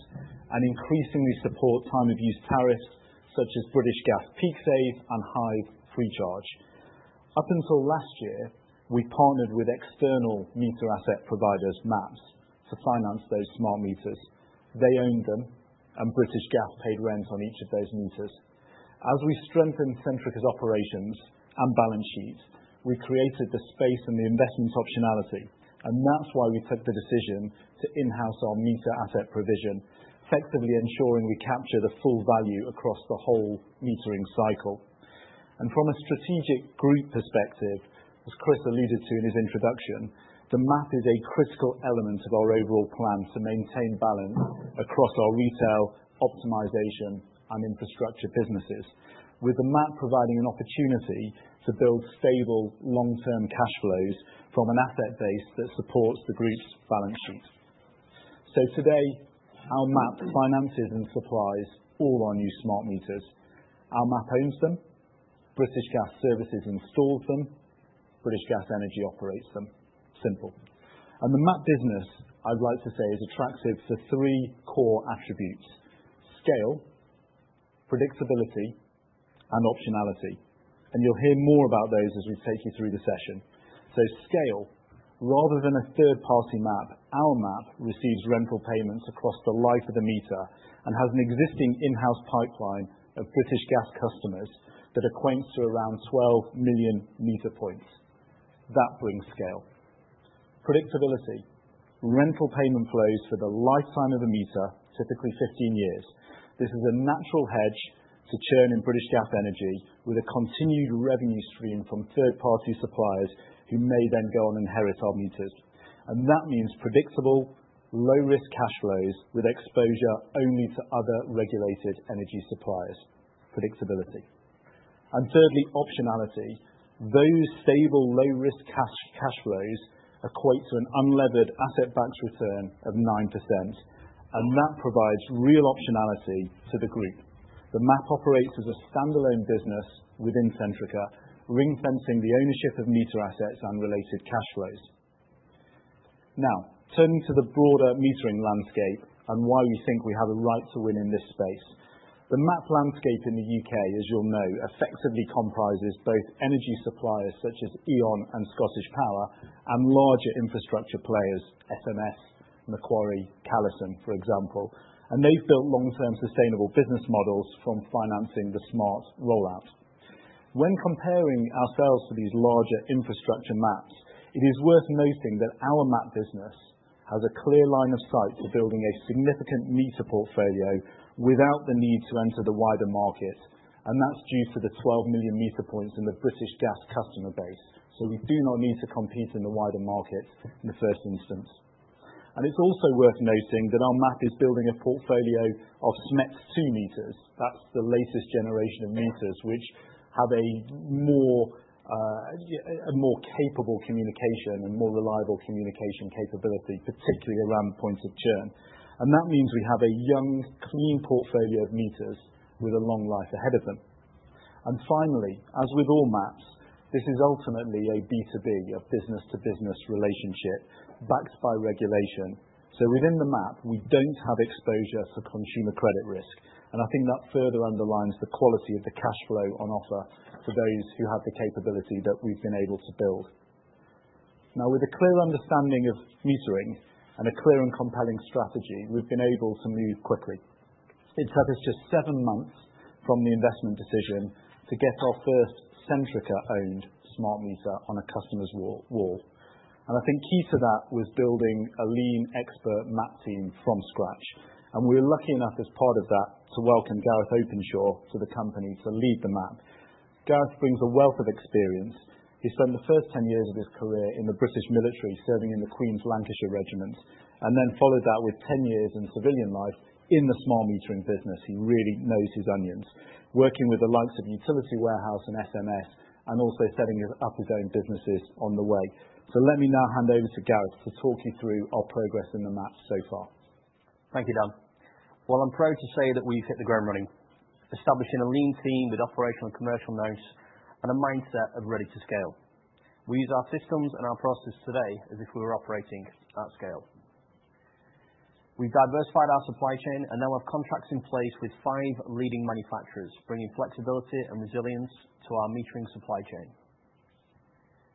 [SPEAKER 11] and increasingly support time-of-use tariffs such as British Gas PeakSave and Hive FreeCharge. Up until last year, we partnered with external meter-asset providers, MAPs, to finance those smart meters. They owned them, and British Gas paid rent on each of those meters. As we strengthened Centrica's operations and balance sheet, we created the space and the investment optionality. And that's why we took the decision to in-house our meter-asset provision, effectively ensuring we capture the full value across the whole metering cycle. And from a strategic group perspective, as Chris alluded to in his introduction, the MAP is a critical element of our overall plan to maintain balance across our retail, optimization, and infrastructure businesses, with the MAP providing an opportunity to build stable long-term cash flows from an asset base that supports the group's balance sheet. So today, our MAP finances and supplies all our new smart meters. Our MAP owns them. British Gas Services installs them. British Gas Energy operates them. Simple. And the MAP business, I'd like to say, is attractive for three core attributes: scale, predictability, and optionality. And you'll hear more about those as we take you through the session. So scale, rather than a third-party MAP, our MAP receives rental payments across the life of the meter and has an existing in-house pipeline of British Gas customers that equates to around 12 million meter points. That brings scale. Predictability, rental payment flows for the lifetime of a meter, typically 15 years. This is a natural hedge to churn in British Gas Energy with a continued revenue stream from third-party suppliers who may then go and inherit our meters. And that means predictable, low-risk cash flows with exposure only to other regulated energy suppliers. Predictability. And thirdly, optionality. Those stable, low-risk cash flows equate to an unlevered asset-backed return of 9%. And that provides real optionality to the group. The MAP operates as a standalone business within Centrica, ring-fencing the ownership of meter assets and related cash flows. Now, turning to the broader metering landscape and why we think we have a right to win in this space. The MAP landscape in the UK, as you'll know, effectively comprises both energy suppliers such as E.ON and ScottishPower and larger infrastructure players, SMS, Macquarie, Calisen, for example. And they've built long-term sustainable business models from financing the smart rollout. When comparing ourselves to these larger infrastructure MAPs, it is worth noting that our MAP business has a clear line of sight to building a significant meter portfolio without the need to enter the wider market. And that's due to the 12 million meter points in the British Gas customer base. So we do not need to compete in the wider market in the first instance. It's also worth noting that our MAP is building a portfolio of SMETS2 meters. That's the latest generation of meters, which have a more capable communication and more reliable communication capability, particularly around the points of churn. That means we have a young, clean portfolio of meters with a long life ahead of them. Finally, as with all MAPs, this is ultimately a B2B, a business-to-business relationship backed by regulation. Within the MAP, we don't have exposure for consumer credit risk. I think that further underlines the quality of the cash flow on offer for those who have the capability that we've been able to build. Now, with a clear understanding of metering and a clear and compelling strategy, we've been able to move quickly. It took us just seven months from the investment decision to get our first Centrica-owned smart meter on a customer's wall, and I think key to that was building a lean, expert MAP team from scratch, and we were lucky enough, as part of that, to welcome Gareth Openshaw to the company to lead the MAP. Gareth brings a wealth of experience. He spent the first 10 years of his career in the British military, serving in the Queen's Lancashire Regiment, and then followed that with 10 years in civilian life in the smart metering business. He really knows his onions, working with the likes of Utility Warehouse and SMS and also setting up his own businesses on the way, so let me now hand over to Gareth to talk you through our progress in the MAP so far.
[SPEAKER 12] Thank you, Dan. I'm proud to say that we've hit the ground running, establishing a lean team with operational and commercial nous and a mindset of ready to scale. We use our systems and our process today as if we were operating at scale. We've diversified our supply chain, and now we have contracts in place with five leading manufacturers, bringing flexibility and resilience to our metering supply chain.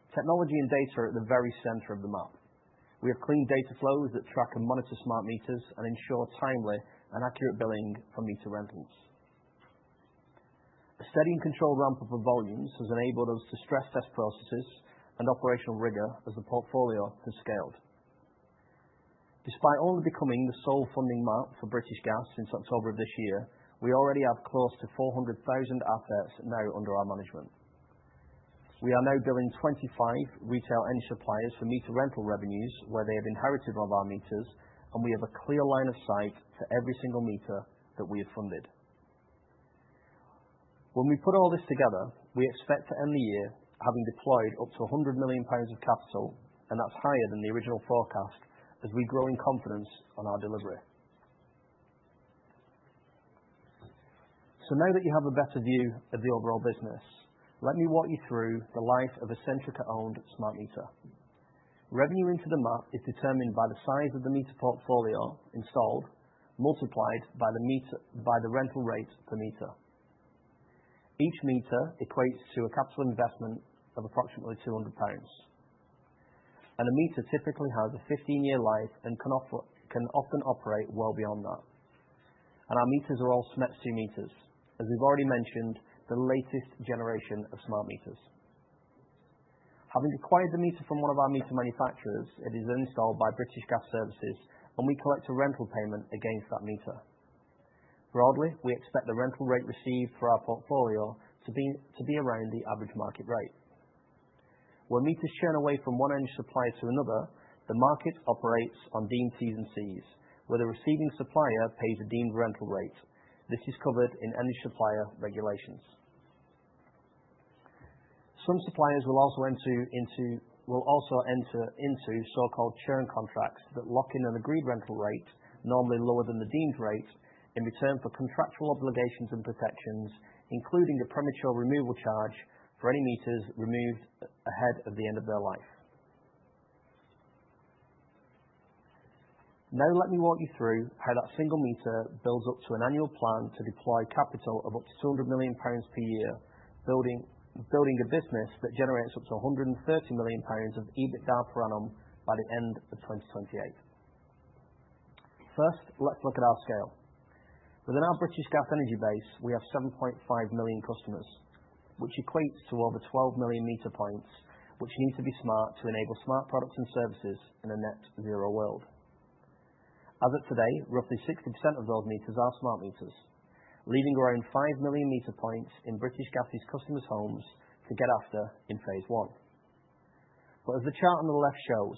[SPEAKER 12] Technology and data are at the very center of the MAP. We have clean data flows that track and monitor smart meters and ensure timely and accurate billing for meter rentals. A steady and controlled ramp-up of volumes has enabled us to stress-test processes and operational rigor as the portfolio has scaled. Despite only becoming the sole funding MAP for British Gas since October of this year, we already have close to 400,000 assets now under our management. We are now billing 25 retail energy suppliers for meter rental revenues where they have inherited one of our meters, and we have a clear line of sight for every single meter that we have funded. When we put all this together, we expect to end the year having deployed up to 100 million pounds of capital, and that's higher than the original forecast as we grow in confidence on our delivery, so now that you have a better view of the overall business, let me walk you through the life of a Centrica-owned smart meter. Revenue into the MAP is determined by the size of the meter portfolio installed multiplied by the rental rate per meter. Each meter equates to a capital investment of approximately 200 pounds, and a meter typically has a 15-year life and can often operate well beyond that. And our meters are all SMETS2 meters, as we've already mentioned, the latest generation of smart meters. Having acquired the meter from one of our meter manufacturers, it is installed by British Gas Services, and we collect a rental payment against that meter. Broadly, we expect the rental rate received for our portfolio to be around the average market rate. When meters churn away from one energy supplier to another, the market operates on deemed T's and C's, where the receiving supplier pays a deemed rental rate. This is covered in energy supplier regulations. Some suppliers will also enter into so-called churn contracts that lock in an agreed rental rate, normally lower than the deemed rate, in return for contractual obligations and protections, including a premature removal charge for any meters removed ahead of the end of their life. Now, let me walk you through how that single meter builds up to an annual plan to deploy capital of up to 200 million pounds per year, building a business that generates up to 130 million pounds of EBITDA per annum by the end of 2028. First, let's look at our scale. Within our British Gas Energy base, we have 7.5 million customers, which equates to over 12 million meter points, which need to be smart to enable smart products and services in a net-zero world. As of today, roughly 60% of those meters are smart meters, leaving around 5 million meter points in British Gas' customers' homes to go after in phase one. But as the chart on the left shows,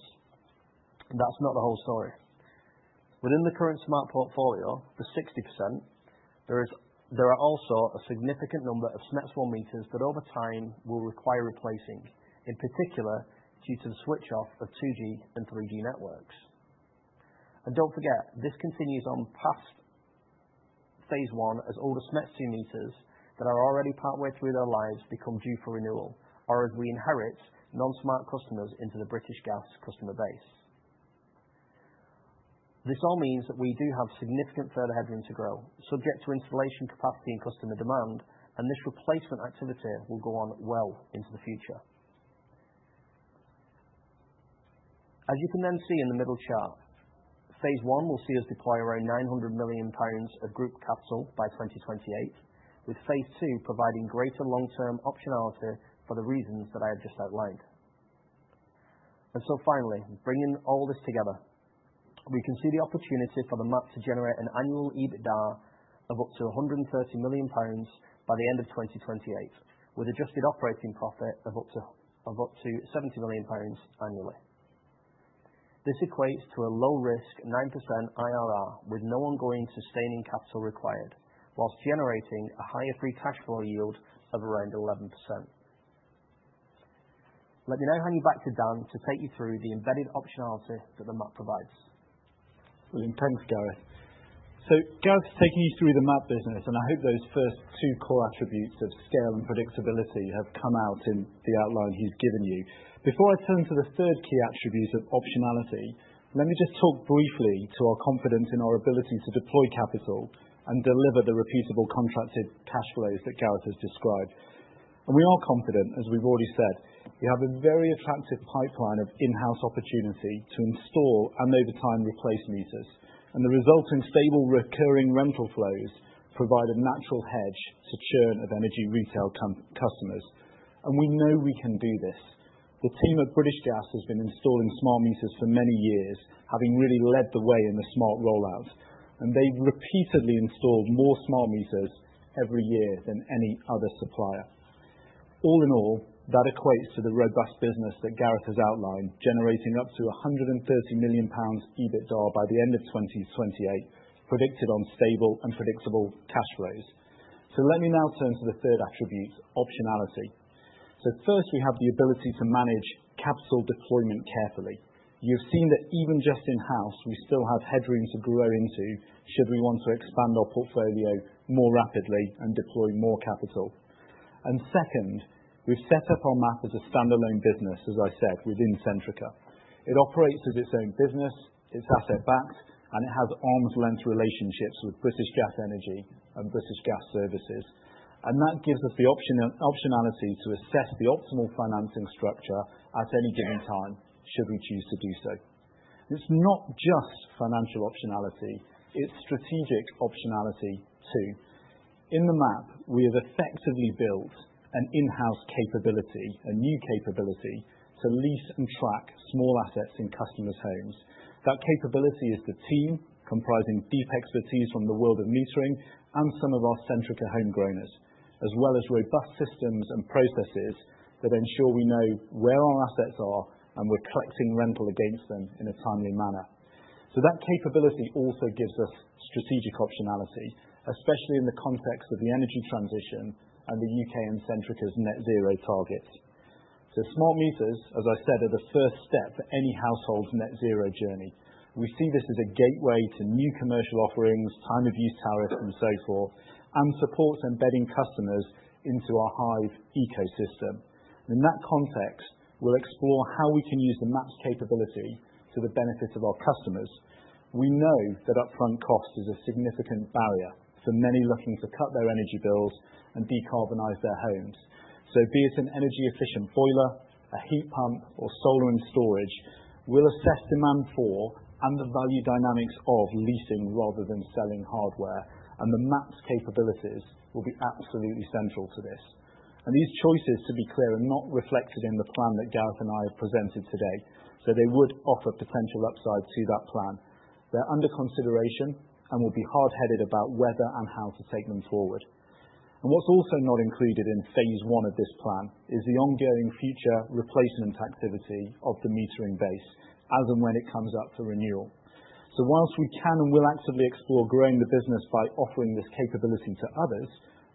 [SPEAKER 12] that's not the whole story. Within the current smart portfolio, the 60%, there are also a significant number of SMETS1 meters that over time will require replacing, in particular due to the switch-off of 2G and 3G networks. And don't forget, this continues on past phase one as all the SMETS2 meters that are already partway through their lives become due for renewal, or as we inherit non-smart customers into the British Gas customer base. This all means that we do have significant further headroom to grow, subject to installation capacity and customer demand, and this replacement activity will go on well into the future. As you can then see in the middle chart, phase one will see us deploy around 900 million pounds of group capital by 2028, with phase two providing greater long-term optionality for the reasons that I have just outlined. Finally, bringing all this together, we can see the opportunity for the MAP to generate an annual EBITDA of up to £130 million by the end of 2028, with adjusted operating profit of up to £70 million annually. This equates to a low-risk 9% IRR with no ongoing sustaining capital required, while generating a higher free cash flow yield of around 11%. Let me now hand you back to Dan to take you through the embedded optionality that the MAP provides.
[SPEAKER 11] In thanks, Gareth. Gareth's taken you through the MAP business, and I hope those first two core attributes of scale and predictability have come out in the outline he's given you. Before I turn to the third key attribute of optionality, let me just talk briefly to our confidence in our ability to deploy capital and deliver the repeatable contracted cash flows that Gareth has described. We are confident, as we've already said, you have a very attractive pipeline of in-house opportunity to install and over time replace meters. The resulting stable recurring rental flows provide a natural hedge to churn of energy retail customers. We know we can do this. The team at British Gas has been installing smart meters for many years, having really led the way in the smart rollout. They have repeatedly installed more smart meters every year than any other supplier. All in all, that equates to the robust business that Gareth has outlined, generating up to 130 million pounds EBITDA by the end of 2028, predicated on stable and predictable cash flows. So let me now turn to the third attribute, optionality. So first, we have the ability to manage capital deployment carefully. You've seen that even just in-house, we still have headroom to grow into should we want to expand our portfolio more rapidly and deploy more capital. And second, we've set up our MAP as a standalone business, as I said, within Centrica. It operates as its own business, it's asset-backed, and it has arm's-length relationships with British Gas Energy and British Gas Services. And that gives us the optionality to assess the optimal financing structure at any given time should we choose to do so. It's not just financial optionality. It's strategic optionality too. In the MAP, we have effectively built an in-house capability, a new capability to lease and track small assets in customers' homes. That capability is the team comprising deep expertise from the world of metering and some of our Centrica homegrowners, as well as robust systems and processes that ensure we know where our assets are and we're collecting rental against them in a timely manner. So that capability also gives us strategic optionality, especially in the context of the energy transition and the U.K. and Centrica's net-zero targets. So smart meters, as I said, are the first step for any household's net-zero journey. We see this as a gateway to new commercial offerings, time-of-use tariffs, and so forth, and supports embedding customers into our Hive ecosystem. And in that context, we'll explore how we can use the MAP's capability to the benefit of our customers. We know that upfront cost is a significant barrier for many looking to cut their energy bills and decarbonize their homes. So be it an energy-efficient boiler, a heat pump, or solar and storage, we'll assess demand for and the value dynamics of leasing rather than selling hardware. And the MAP's capabilities will be absolutely central to this. And these choices, to be clear, are not reflected in the plan that Gareth and I have presented today. So they would offer potential upside to that plan. They're under consideration and will be hard-headed about whether and how to take them forward. And what's also not included in phase one of this plan is the ongoing future replacement activity of the metering base as and when it comes up for renewal. So whilst we can and will actively explore growing the business by offering this capability to others,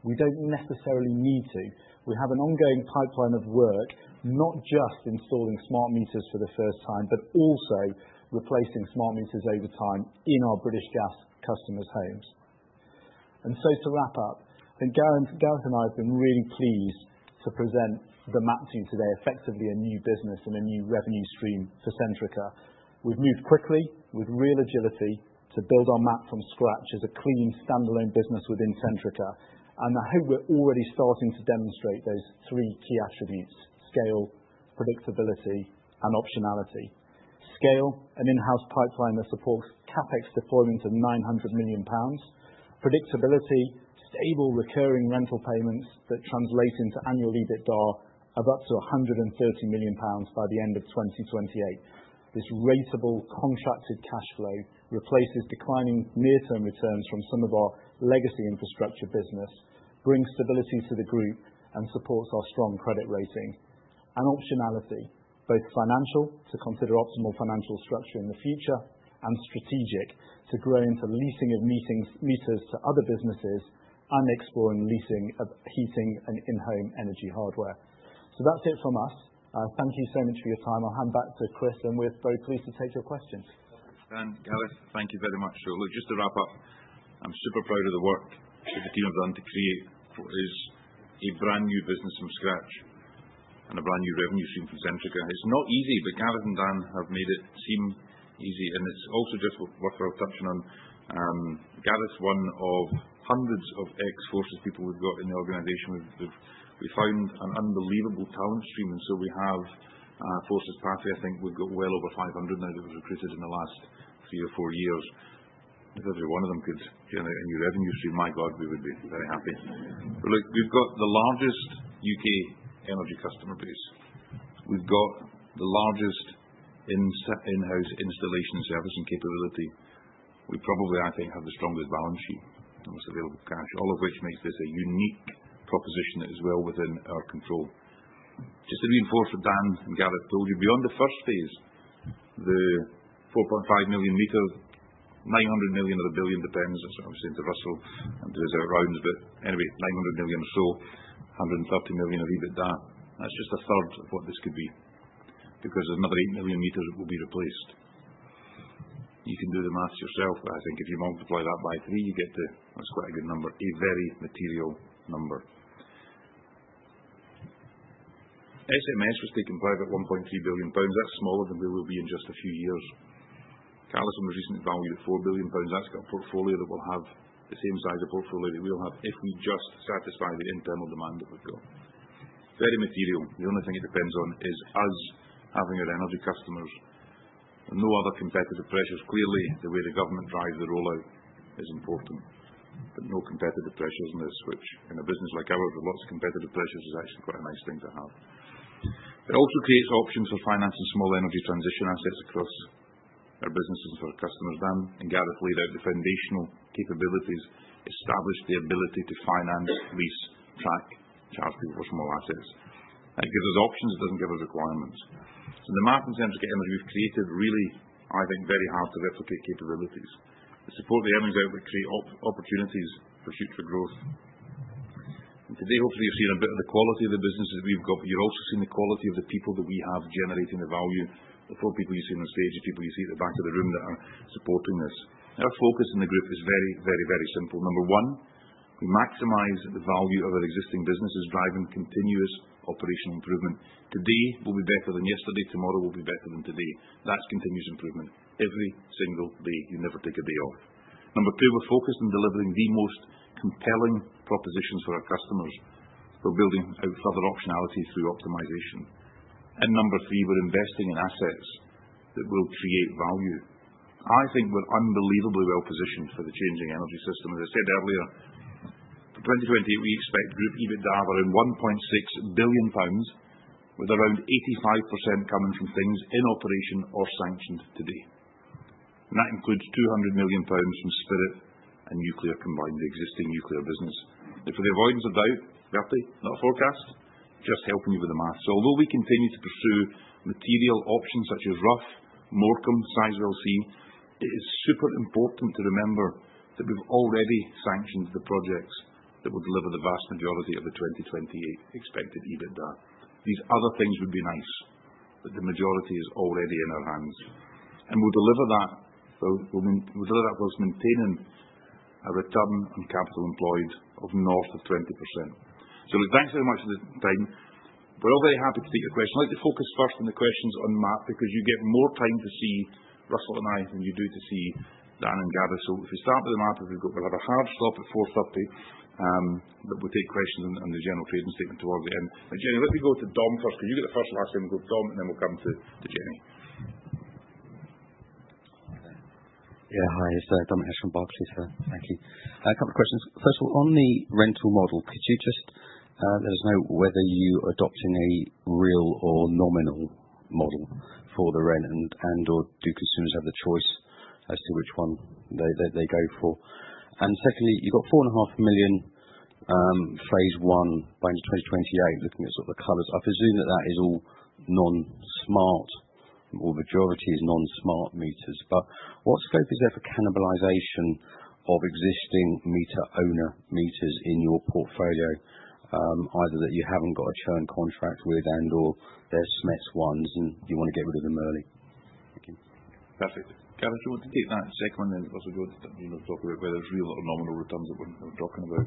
[SPEAKER 11] we don't necessarily need to. We have an ongoing pipeline of work, not just installing smart meters for the first time, but also replacing smart meters over time in our British Gas customers' homes, and so to wrap up, I think Gareth and I have been really pleased to present the MAP to you today, effectively a new business and a new revenue stream for Centrica. We've moved quickly with real agility to build our MAP from scratch as a clean, standalone business within Centrica, and I hope we're already starting to demonstrate those three key attributes: scale, predictability, and optionality. Scale, an in-house pipeline that supports CapEx deployments of £900 million. Predictability, stable recurring rental payments that translate into annual EBITDA of up to £130 million by the end of 2028. This ratable contracted cash flow replaces declining near-term returns from some of our legacy infrastructure business, brings stability to the group, and supports our strong credit rating and optionality, both financial to consider optimal financial structure in the future and strategic to grow into leasing of meters to other businesses and exploring leasing of heating and in-home energy hardware. Thank you so much for your time, so that's it from us. I'll hand back to Chris, and we're very pleased to take your questions.
[SPEAKER 2] Dan, Gareth, thank you very much. Look, just to wrap up, I'm super proud of the work that the team have done to create a brand new business from scratch and a brand new revenue stream from Centrica. It's not easy, but Gareth and Dan have made it seem easy. It's also just worthwhile touching on Gareth, one of hundreds of ex-Forces people we've got in the organization. We've found an unbelievable talent stream. So we have FORCES Pathway. I think we've got well over 500 now that we've recruited in the last three or four years. If every one of them could generate a new revenue stream, my God, we would be very happy. But look, we've got the largest UK energy customer base. We've got the largest in-house installation service and capability. We probably, I think, have the strongest balance sheet and most available cash, all of which makes this a unique proposition that is well within our control. Just to reinforce what Dan and Gareth told you, beyond the first phase, the 4.5 million meters, £900 million or £1 billion depends, as I was saying to Russell and to his auditors. But anyway, 900 million or so, 130 million of EBITDA, that's just a third of what this could be because another 8 million meters will be replaced. You can do the math yourself, but I think if you multiply that by three, you get to, that's quite a good number, a very material number. SMS was taken private at 1.3 billion pounds. That's smaller than we will be in just a few years. Calisen was recently valued at 4 billion pounds. That's got a portfolio that will have the same size of portfolio that we'll have if we just satisfy the internal demand that we've got. Very material. The only thing it depends on is us having our energy customers and no other competitive pressures. Clearly, the way the government drives the rollout is important, but no competitive pressures in this which, in a business like ours, with lots of competitive pressures, is actually quite a nice thing to have. It also creates options for financing small energy transition assets across our businesses and for our customers. Dan and Gareth laid out the foundational capabilities, established the ability to finance, lease, track, charge people for small assets. That gives us options. It doesn't give us requirements. So the MAP and Centrica Energy we've created really, I think, very hard to replicate capabilities. It supports the earnings output, creates opportunities for future growth. And today, hopefully, you've seen a bit of the quality of the businesses that we've got, but you've also seen the quality of the people that we have generating the value, the four people you see on the stage, the people you see at the back of the room that are supporting this. Our focus in the group is very, very, very simple. Number one, we maximize the value of our existing businesses, driving continuous operational improvement. Today will be better than yesterday. Tomorrow will be better than today. That's continuous improvement every single day. You never take a day off. Number two, we're focused on delivering the most compelling propositions for our customers. We're building out further optionality through optimization. And number three, we're investing in assets that will create value. I think we're unbelievably well positioned for the changing energy system. As I said earlier, for 2028, we expect group EBITDA of around £1.6 billion, with around 85% coming from things in operation or sanctioned today. That includes £200 million from Spirit and nuclear combined, the existing nuclear business. For the avoidance of doubt, this is not a forecast, just helping you with the math. Although we continue to pursue material options such as Rough, Morecambe, Sizewell C, it is super important to remember that we've already sanctioned the projects that will deliver the vast majority of the 2028 expected EBITDA. These other things would be nice, but the majority is already in our hands. We'll deliver that while maintaining a return on capital employed of north of 20%. Look, thanks very much for the time. We're all very happy to take your questions. I'd like to focus first on the questions on MAP because you get more time to see Russell and I than you do to see Dan and Gareth. So if we start with the MAP, we'll have a hard stop at 4:30 P.M., but we'll take questions and the general trading statement towards the end. But, Jenny, let me go to Dom first because you get the first last name. We'll go to Dom, and then we'll come to Jenny.
[SPEAKER 10] Yeah, hi. It's Dominic Nash from Barclays. Thank you. A couple of questions. First of all, on the rental model, could you just let us know whether you are adopting a real or nominal model for the rent, and/or do consumers have the choice as to which one they go for? And secondly, you've got 4.5 million phase one by 2028, looking at sort of the colors. I presume that that is all non-smart. The majority is non-smart meters. But what scope is there for cannibalization of existing meter owner meters in your portfolio, either that you haven't got a churn contract with and/or they're SMETS ones and you want to get rid of them early? Thank you.
[SPEAKER 2] Gareth, do you want to take that second one? And Russell, do you want to talk about whether it's real or nominal returns that we're talking about,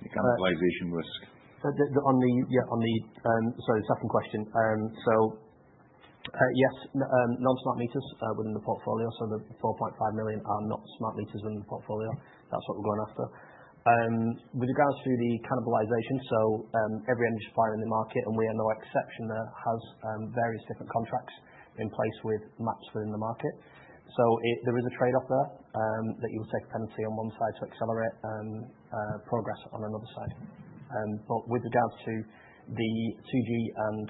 [SPEAKER 2] the cannibalization risk?
[SPEAKER 12] Yeah, sorry, second question. So yes, non-smart meters within the portfolio. So the 4.5 million are not smart meters within the portfolio. That's what we're going after. With regards to the cannibalization, so every energy supplier in the market, and we are no exception, has various different contracts in place with MAPs within the market. So there is a trade-off there that you will take a penalty on one side to accelerate progress on another side. But with regards to the 2G and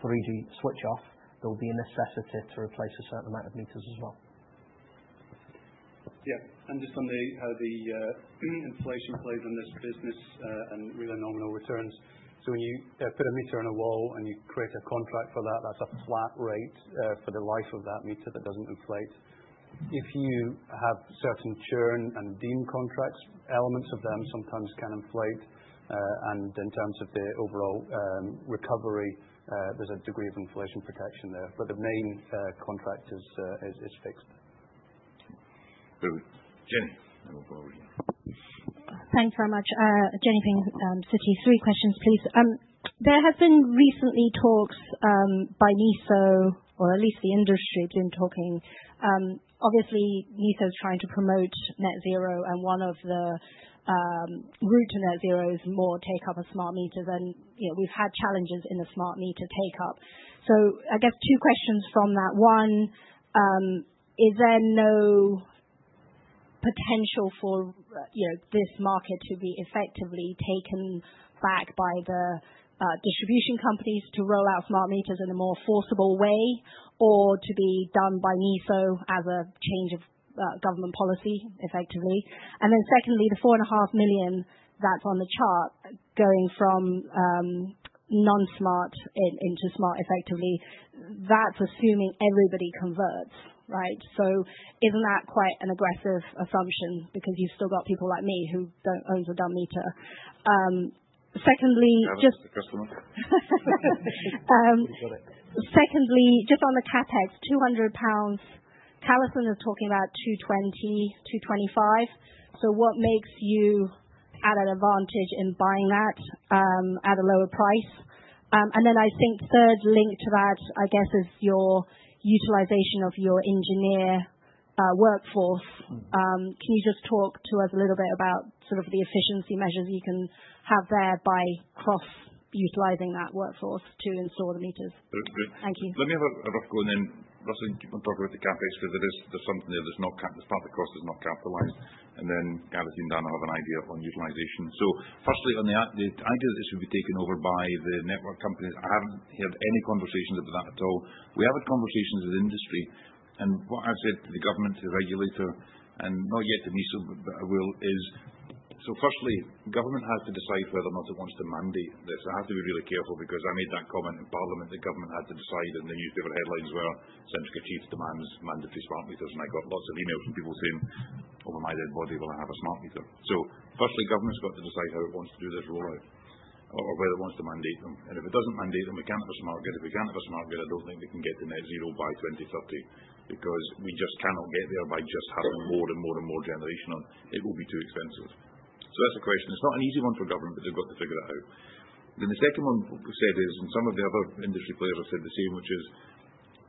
[SPEAKER 12] 3G switch-off, there will be a necessity to replace a certain amount of meters as well.
[SPEAKER 9] Yeah, and just on the how the inflation plays in this business and real and nominal returns. So when you put a meter on a wall and you create a contract for that, that's a flat rate for the life of that meter that doesn't inflate. If you have certain churn and deemed contracts, elements of them sometimes can inflate. And in terms of the overall recovery, there's a degree of inflation protection there. But the main contract is fixed. Jenny, I will go over here.
[SPEAKER 5] Thanks very much. Jenny Ping, Citi, three questions, please. There have been recently talks by NESO, or at least the industry has been talking. Obviously, NESO is trying to promote Net Zero, and one of the route to Net Zero is more take-up of smart meters, and we've had challenges in the smart meter take-up, so I guess two questions from that. One, is there no potential for this market to be effectively taken back by the distribution companies to roll out smart meters in a more forcible way, or to be done by NESO as a change of government policy, effectively? And then secondly, the 4.5 million that's on the chart going from non-smart into smart, effectively, that's assuming everybody converts, right? So isn't that quite an aggressive assumption? Because you've still got people like me who don't own a dumb meter. Secondly, just on the Capex, 200 pounds, Calisen is talking about 220, 225. So what makes you at an advantage in buying that at a lower price? And then I think third link to that, I guess, is your utilization of your engineer workforce. Can you just talk to us a little bit about sort of the efficiency measures you can have there by cross-utilizing that workforce to install the meters? Thank you.
[SPEAKER 2] Let me have a rough go and then Russell can keep on talking about the CapEx because there's something there. There's part of the cost that's not capitalized. And then Gareth and Dan will have an idea on utilization. So firstly, on the idea that this will be taken over by the network companies, I haven't heard any conversations about that at all. We haven't had conversations with industry. What I've said to the government, the regulator, and not yet to NESO, but I will, is so firstly, government has to decide whether or not it wants to mandate this. I have to be really careful because I made that comment in Parliament that government had to decide, and the newspaper headlines were, "Centrica Chief demands mandatory smart meters." I got lots of emails from people saying, "Over my dead body, will I have a smart meter?" So firstly, government's got to decide how it wants to do this rollout or whether it wants to mandate them. If it doesn't mandate them, we can't have a smart grid. If we can't have a smart grid, I don't think we can get to net-zero by 2030 because we just cannot get there by just having more and more and more generation on. It will be too expensive. So that's a question. It's not an easy one for government, but they've got to figure that out. Then the second one we've said is, and some of the other industry players have said the same, which is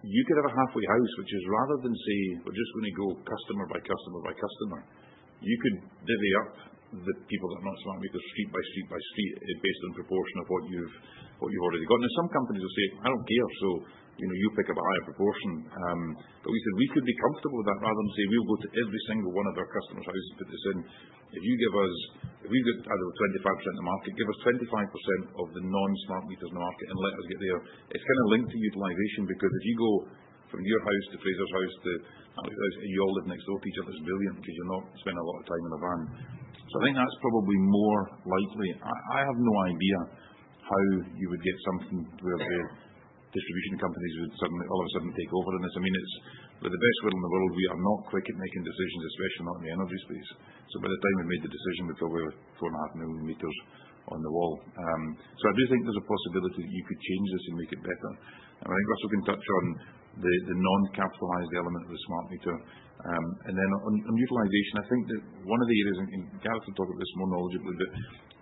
[SPEAKER 2] you could have a halfway house, which is rather than say, "We're just going to go customer by customer by customer," you could divvy up the people that are not smart meters street by street by street based on proportion of what you've already got. Now, some companies will say, "I don't care, so you pick up a higher proportion." But we said we could be comfortable with that rather than say, "We'll go to every single one of our customers' houses and put this in. If you give us, if we've got either 25% of the market, give us 25% of the non-smart meters in the market and let us get there." It's kind of linked to utilization because if you go from your house to Fraser's house to Ally's house, and you all live next door, each other, it's brilliant because you're not spending a lot of time in a van. So I think that's probably more likely. I have no idea how you would get something where the distribution companies would suddenly, all of a sudden, take over in this. I mean, it's the best world in the world. We are not quick at making decisions, especially not in the energy space. So by the time we made the decision, we probably had 4.5 million meters on the wall. So I do think there's a possibility that you could change this and make it better. And I think Russell can touch on the non-capitalized element of the smart meter. And then on utilization, I think that one of the areas, and Gareth will talk about this more knowledgeably, but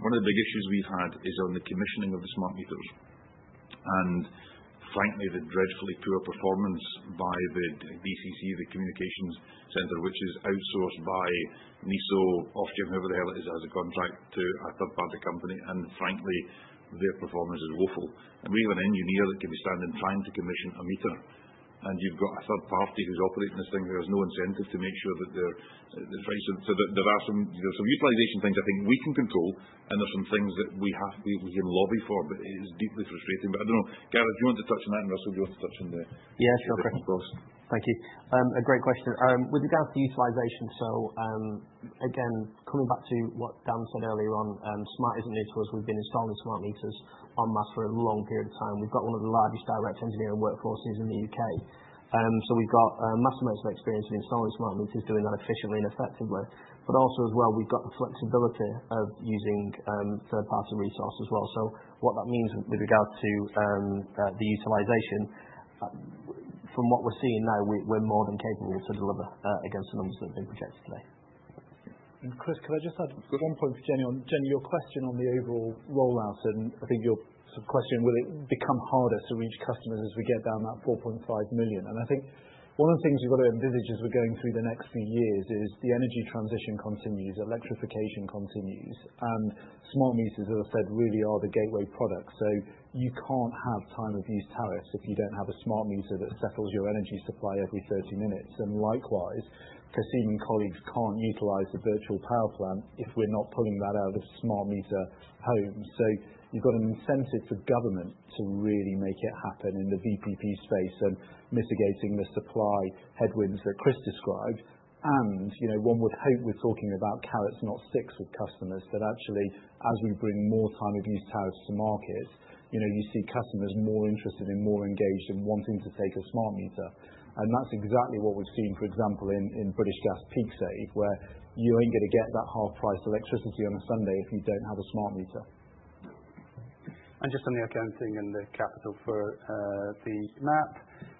[SPEAKER 2] one of the big issues we've had is on the commissioning of the smart meters. And frankly, the dreadfully poor performance by the DCC, the Communications Center, which is outsourced by NESO, Ofgem, whoever the hell it is, has a contract to a third-party company. And frankly, their performance is woeful. And we have an engineer that can be standing trying to commission a meter, and you've got a third party who's operating this thing who has no incentive to make sure that they're right. So there are some utilization things I think we can control, and there are some things that we can lobby for, but it is deeply frustrating. But I don't know. Gareth, do you want to touch on that, and Russell, do you want to touch on the smart meters?
[SPEAKER 9] Yeah, sure. Thank you. A great question. With regards to utilization, so again, coming back to what Dan said earlier on, smart isn't new to us. We've been installing smart meters en masse for a long period of time. We've got one of the largest direct engineering workforces in the U.K. So we've got massive amounts of experience in installing smart meters, doing that efficiently and effectively. But also as well, we've got the flexibility of using third-party resources as well. What that means with regards to the utilization, from what we're seeing now, we're more than capable to deliver against the numbers that have been projected today. Chris, could I just add one point for Jenny? Jenny, your question on the overall rollout, and I think your sort of question, will it become harder to reach customers as we get down that 4.5 million? One of the things we've got to envisage as we're going through the next few years is the energy transition continues, electrification continues, and smart meters, as I said, really are the gateway product. You can't have time-of-use tariffs if you don't have a smart meter that settles your energy supply every 30 minutes. Likewise, Cassim and colleagues can't utilize the virtual power plant if we're not pulling that out of smart meter homes. So you've got an incentive for government to really make it happen in the VPP space and mitigating the supply headwinds that Chris described. And one would hope we're talking about carrots, not sticks, with customers that actually, as we bring more time-of-use tariffs to markets, you see customers more interested and more engaged and wanting to take a smart meter. And that's exactly what we've seen, for example, in British Gas Peak Save, where you ain't going to get that half-price electricity on a Sunday if you don't have a smart meter. And just on the accounting and the capital for the MAP,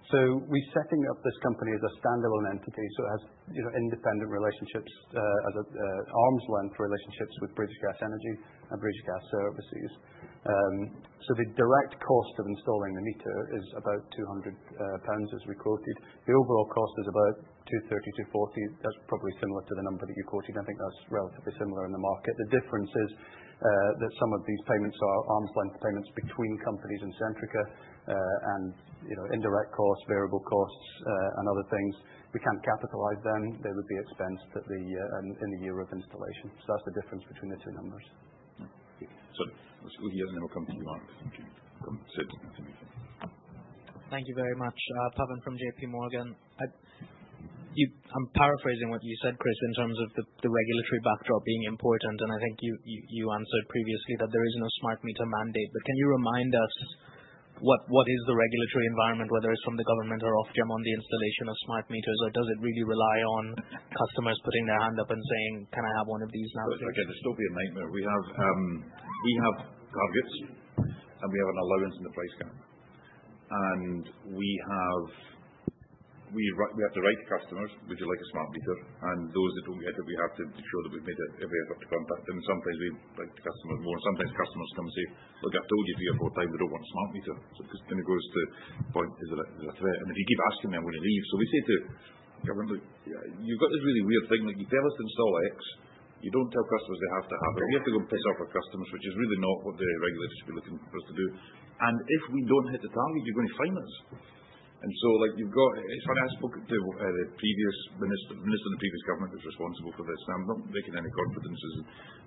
[SPEAKER 9] so we're setting up this company as a standalone entity. So it has independent relationships, arm's length relationships with British Gas Energy and British Gas Services. So the direct cost of installing the meter is about £200, as we quoted. The overall cost is about 230-240. That's probably similar to the number that you quoted. I think that's relatively similar in the market. The difference is that some of these payments are arm's length payments between companies and Centrica, and indirect costs, variable costs, and other things. We can't capitalize them. They would be expensed in the year of installation. So that's the difference between the two numbers.
[SPEAKER 2] So let's go here and then we'll come to you, Arne. Thank you very much. Pavan from J.P. Morgan. I'm paraphrasing what you said, Chris, in terms of the regulatory backdrop being important, and I think you answered previously that there is no smart meter mandate. But can you remind us what is the regulatory environment, whether it's from the government or Ofgem on the installation of smart meters, or does it really rely on customers putting their hand up and saying, "Can I have one of these now?" Again, there's still the enactment. We have targets, and we have an allowance in the price cap. And we have to write to customers, "Would you like a smart meter?" And those that don't get it, we have to show that we've made it. If we have to contact them, sometimes we lose the customers more. And sometimes customers come and say, "Look, I've told you three or four times I don't want a smart meter." So it kind of goes to the point, is there a threat? And if you keep asking them, I'm going to leave. So we say to government, "Look, you've got this really weird thing. You tell us to install X. You don't tell customers they have to have it. We have to go and piss off our customers, which is really not what the regulators should be looking for us to do. And if we don't hit the target, you're going to fine us." And so it's funny. I spoke to the previous minister and the previous government that's responsible for this. And I'm not breaching any confidences.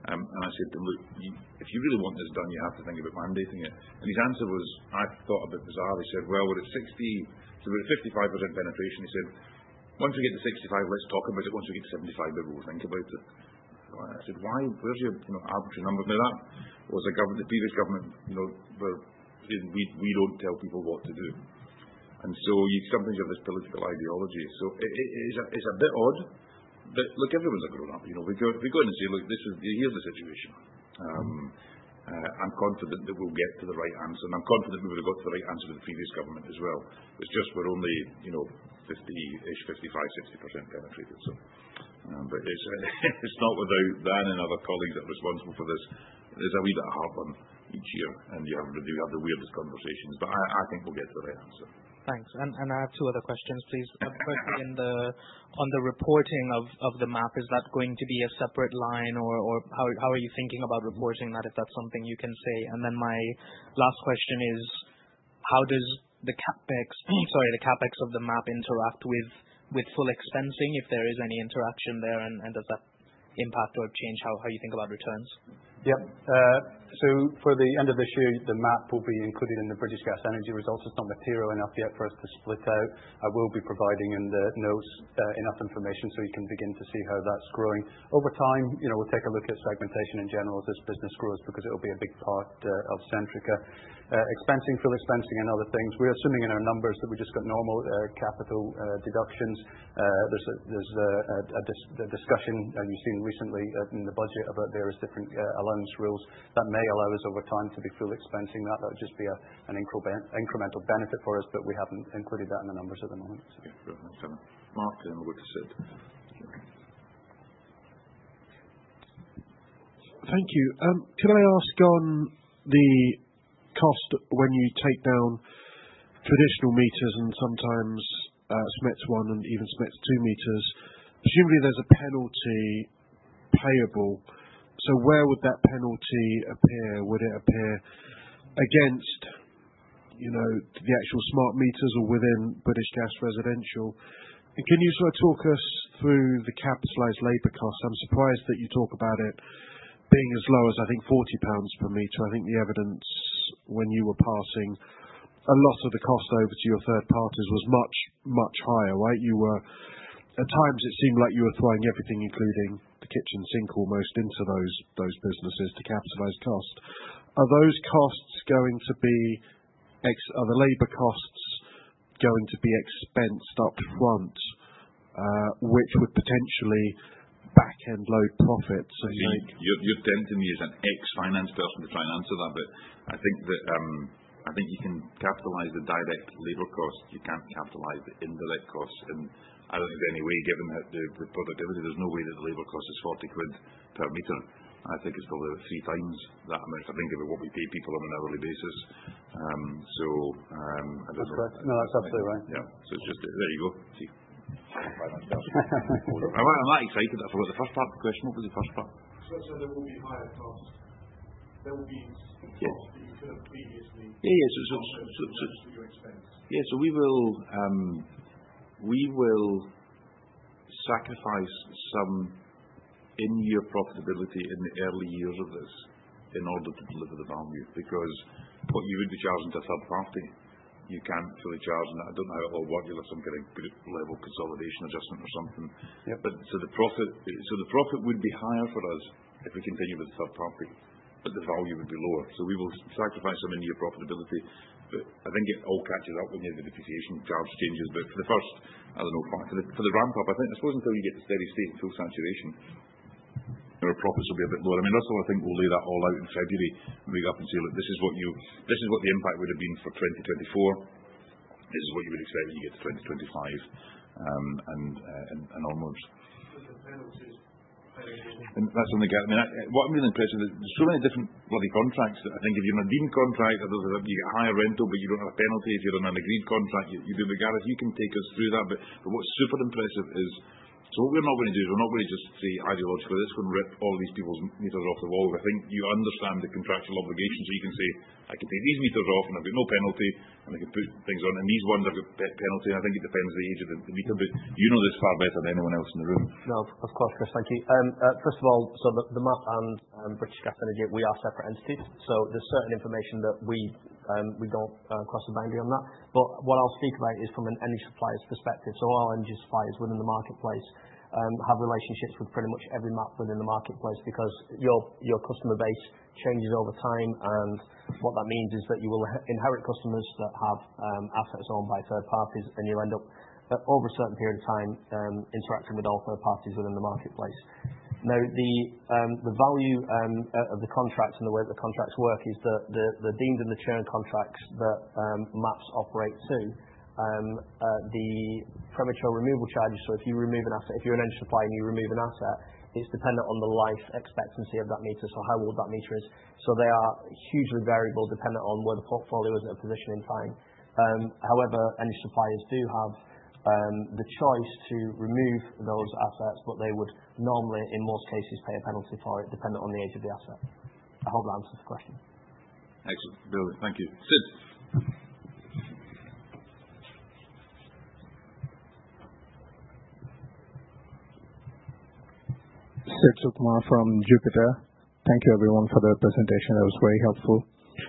[SPEAKER 2] And I said to them, "Look, if you really want this done, you have to think about mandating it." And his answer was, I thought a bit bizarrely. He said, "Well, would it be 60%?" He said, "Would it be 55% penetration?" He said, "Once we get to 65%, let's talk about it. Once we get to 75%, maybe we'll think about it." I said, "Why? Where's your arbitrary number?" Now, that was the previous government, where we don't tell people what to do, and so sometimes you have this political ideology, so it's a bit odd, but look, everyone's a grown-up. We go in and say, "Look, this is, here's the situation. I'm confident that we'll get to the right answer, and I'm confident we would have got to the right answer with the previous government as well. It's just we're only 50-ish, 55%, 60% penetrated," but it's not without Dan and other colleagues that are responsible for this. There's a wee bit of heartburn each year, and we have the weirdest conversations, but I think we'll get to the right answer. Thanks, and I have two other questions, please. Firstly, on the reporting of the MAP, is that going to be a separate line, or how are you thinking about reporting that if that's something you can say? And then my last question is, how does the CapEx, sorry, the CapEx of the MAP interact with full expensing, if there is any interaction there? And does that impact or change how you think about returns?
[SPEAKER 9] Yep. So for the end of this year, the MAP will be included in the British Gas Energy results. It's not material enough yet for us to split out. I will be providing in the nous enough information so you can begin to see how that's growing. Over time, we'll take a look at segmentation in general as this business grows because it will be a big part of Centrica. Expensing, full expensing, and other things. We're assuming in our numbers that we just got normal capital allowances. There's a discussion you've seen recently in the budget about various different allowance rules that may allow us over time to be full expensing that. That would just be an incremental benefit for us, but we haven't included that in the numbers at the moment. Mark then would have said. Thank you. Could I ask on the cost when you take down traditional meters and sometimes SMETS1 and even SMETS2 meters? Presumably, there's a penalty payable. So where would that penalty appear? Would it appear against the actual smart meters or within British Gas residential? And can you sort of talk us through the capitalized labor costs? I'm surprised that you talk about it being as low as, I think, 40 pounds per meter. I think the evidence when you were passing a lot of the cost over to your third parties was much, much higher, right? At times, it seemed like you were throwing everything, including the kitchen sink almost, into those businesses to capitalize cost. Are those costs going to be - are the labor costs going to be expensed upfront, which would potentially back-end load profits?
[SPEAKER 4] You're tempting me as an ex-finance person to try and answer that, but I think you can capitalize the direct labor cost. You can't capitalize the indirect cost. And I don't think there's any way, given the productivity, there's no way that the labor cost is 40 quid per meter. I think it's probably three times that amount, I think, of what we pay people on an hourly basis. So that's correct. No, that's absolutely right. Yeah. So it's just - there you go. I'm quite excited that I forgot the first part of the question. What was the first part? So there will be higher costs. There will be costs that you could have previously, yeah, yeah. So it's a, yeah, so we will sacrifice some in-year profitability in the early years of this in order to deliver the value because what you would be charging to a third party, you can't fully charge on that. I don't know how it will work. You'll have some kind of level consolidation adjustment or something. But so the profit would be higher for us if we continue with a third party, but the value would be lower. So we will sacrifice some in-year profitability. But I think it all catches up with maybe the depreciation charge changes. But for the first, as a note back, for the ramp-up, I suppose until you get to steady state and full saturation, your profits will be a bit lower. I mean, Russell, I think we'll lay that all out in February, and we'll go up and say, "Look, this is what the impact would have been for 2024. This is what you would expect when you get to 2025 and onwards." So the penalties penetrating. That's what I mean. What I'm really impressed with, there's so many different bloody contracts that I think if you're in a deemed contract, you get higher rental, but you don't have a penalty if you're on an agreed contract. Gareth, you can take us through that. But what's super impressive is, so what we're not going to do is we're not going to just say ideologically, "This is going to rip all these people's meters off the wall." I think you understand the contractual obligation, so you can say, "I can take these meters off, and I've got no penalty, and I can put things on, and these ones have a penalty, and I think it depends on the age of the meter, but you know this far better than anyone else in the room."
[SPEAKER 12] No, of course, Chris. Thank you. First of all, so the MAP and British Gas Energy, we are separate entities, so there's certain information that we don't cross the boundary on that, but what I'll speak about is from an energy supplier's perspective. So all our energy suppliers within the marketplace have relationships with pretty much every MAP within the marketplace because your customer base changes over time. And what that means is that you will inherit customers that have assets owned by third parties, and you'll end up, over a certain period of time, interacting with all third parties within the marketplace. Now, the value of the contracts and the way that the contracts work is the deemed and the churn contracts that MAPs operate to. The premature removal charges, so if you remove an asset, if you're an energy supplier and you remove an asset, it's dependent on the life expectancy of that meter, so how old that meter is. So they are hugely variable, dependent on where the portfolio is at a position in time. However, energy suppliers do have the choice to remove those assets, but they would normally, in most cases, pay a penalty for it, dependent on the age of the asset. I hope that answers the question. Excellent. Brilliant. Thank you. Sid Kumar from Jupiter. Thank you, everyone, for the presentation. That was very helpful.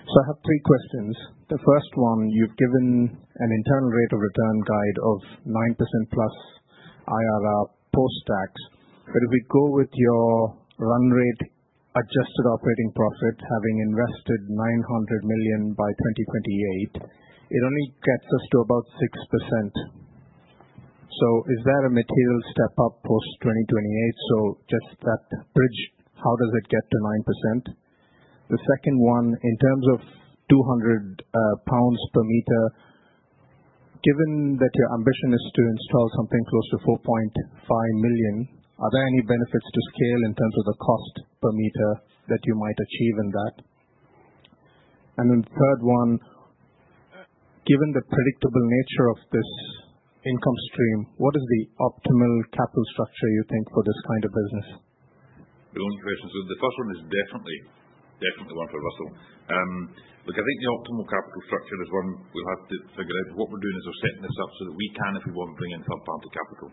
[SPEAKER 12] So I have three questions. The first one, you've given an internal rate of return guide of 9% plus IRR post-tax. But if we go with your run rate adjusted operating profit, having invested 900 million by 2028, it only gets us to about 6%. So is that a material step up post-2028? So just that bridge, how does it get to 9%? The second one, in terms of 200 pounds per meter, given that your ambition is to install something close to 4.5 million, are there any benefits to scale in terms of the cost per meter that you might achieve in that? And then the third one, given the predictable nature of this income stream, what is the optimal capital structure you think for this kind of business?
[SPEAKER 2] The only two questions. The first one is definitely one for Russell. Look, I think the optimal capital structure is one we'll have to figure out. What we're doing is we're setting this up so that we can, if we want, bring in third-party capital.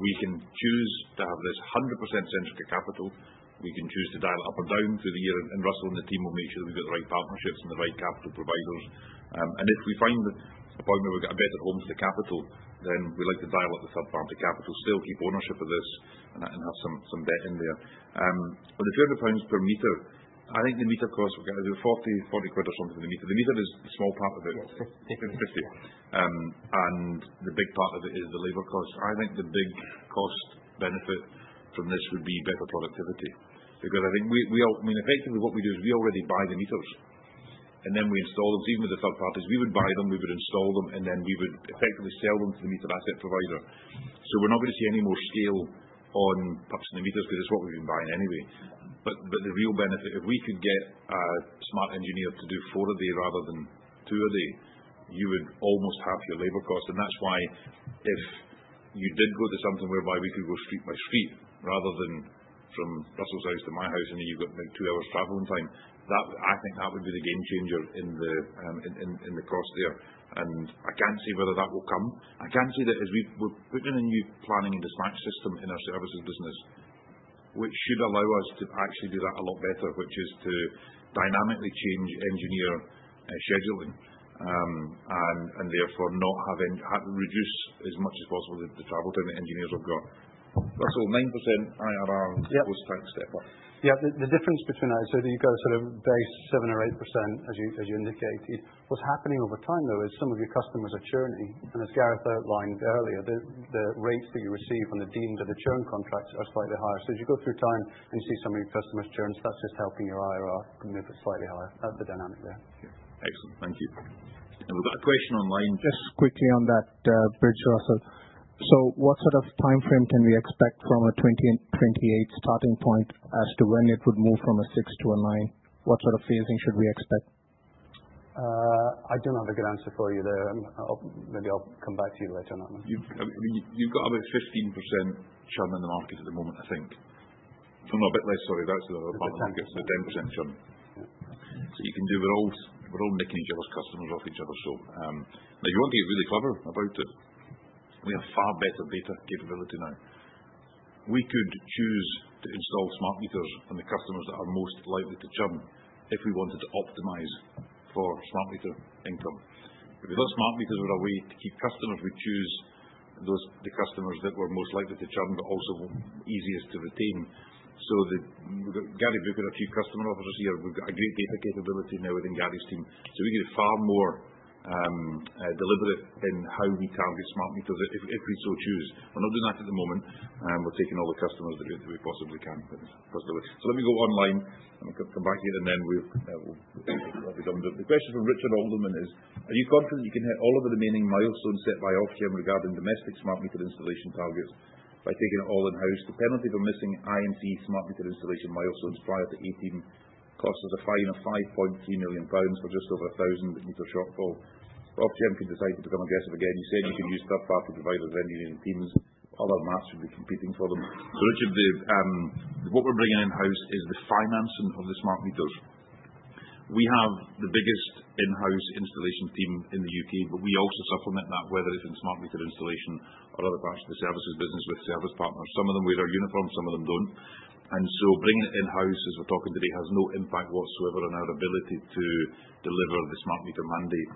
[SPEAKER 2] We can choose to have this 100% Centrica capital. We can choose to dial it up or down through the year. Russell and the team will make sure that we've got the right partnerships and the right capital providers. And if we find a point where we've got a better home for the capital, then we'd like to dial up the third-party capital, still keep ownership of this, and have some debt in there. But the 200 pounds per meter, I think the meter cost, we've got 40 quid or something for the meter. The meter is a small part of it. It's 50. 50. And the big part of it is the labor cost. I think the big cost benefit from this would be better productivity. Because I think, I mean, effectively, what we do is we already buy the meters, and then we install them. Even with the third parties, we would buy them, we would install them, and then we would effectively sell them to the meter asset provider. We're not going to see any more scale on purchasing the meters because it's what we've been buying anyway. But the real benefit, if we could get a smart engineer to do four a day rather than two a day, you would almost half your labor cost. That's why if you did go to something whereby we could go street by street rather than from Russell's house to my house, and then you've got two hours travel in time, I think that would be the game changer in the cost there. I can't see whether that will come. I can see that as we're putting in a new planning and dispatch system in our services business, which should allow us to actually do that a lot better, which is to dynamically change engineer scheduling and therefore reduce as much as possible the travel time that engineers have got. Russell, 9% IRR post-tax step up.
[SPEAKER 9] Yeah. The difference between I assume that you've got a sort of base 7% or 8%, as you indicated. What's happening over time, though, is some of your customers are churning. And as Gareth outlined earlier, the rates that you receive on the deemed and the churn contracts are slightly higher. So as you go through time and you see some of your customers churn, that's just helping your IRR move up slightly higher. That's the dynamic there. Excellent. Thank you, and we've got a question online. Just quickly on that bridge, Russell. So what sort of time frame can we expect from a 2028 starting point as to when it would move from a 6 to a 9? What sort of phasing should we expect? I don't have a good answer for you there. Maybe I'll come back to you later on that one. You've got about 15% churn in the market at the moment, I think. If not a bit less, sorry. That's the final answer. So 10% churn. So you can do we're all nicking each other's customers off each other. Now, you want to get really clever about it. We have far better data capability now. We could choose to install smart meters on the customers that are most likely to churn if we wanted to optimize for smart meter income.
[SPEAKER 3] If those smart meters were a way to keep customers, we'd choose the customers that were most likely to churn, but also easiest to retain. So Gary, we've got a few customer officers here. We've got a great data capability now within Gary's team. So we could be far more deliberate in how we target smart meters, if we'd so choose. We're not doing that at the moment. We're taking all the customers the way we possibly can. So let me go online and come back to you, and then we'll be done. The question from Richard Alderman is, are you confident you can hit all of the remaining milestones set by Ofgem regarding domestic smart meter installation targets by taking it all in-house? The penalty for missing the smart meter installation milestones prior to 2018 costs us a fine of 5.3 million pounds for just over a thousand meter shortfall. Ofgem could decide to become aggressive again. You said you could use third-party providers and engineering teams. Other MAPs would be competing for them, so Richard, what we're bringing in-house is the financing of the smart meters. We have the biggest in-house installation team in the UK, but we also supplement that, whether it's in smart meter installation or other parts of the services business with service partners. Some of them wear their uniform, some of them don't, and so bringing it in-house, as we're talking today, has no impact whatsoever on our ability to deliver the smart meter mandate.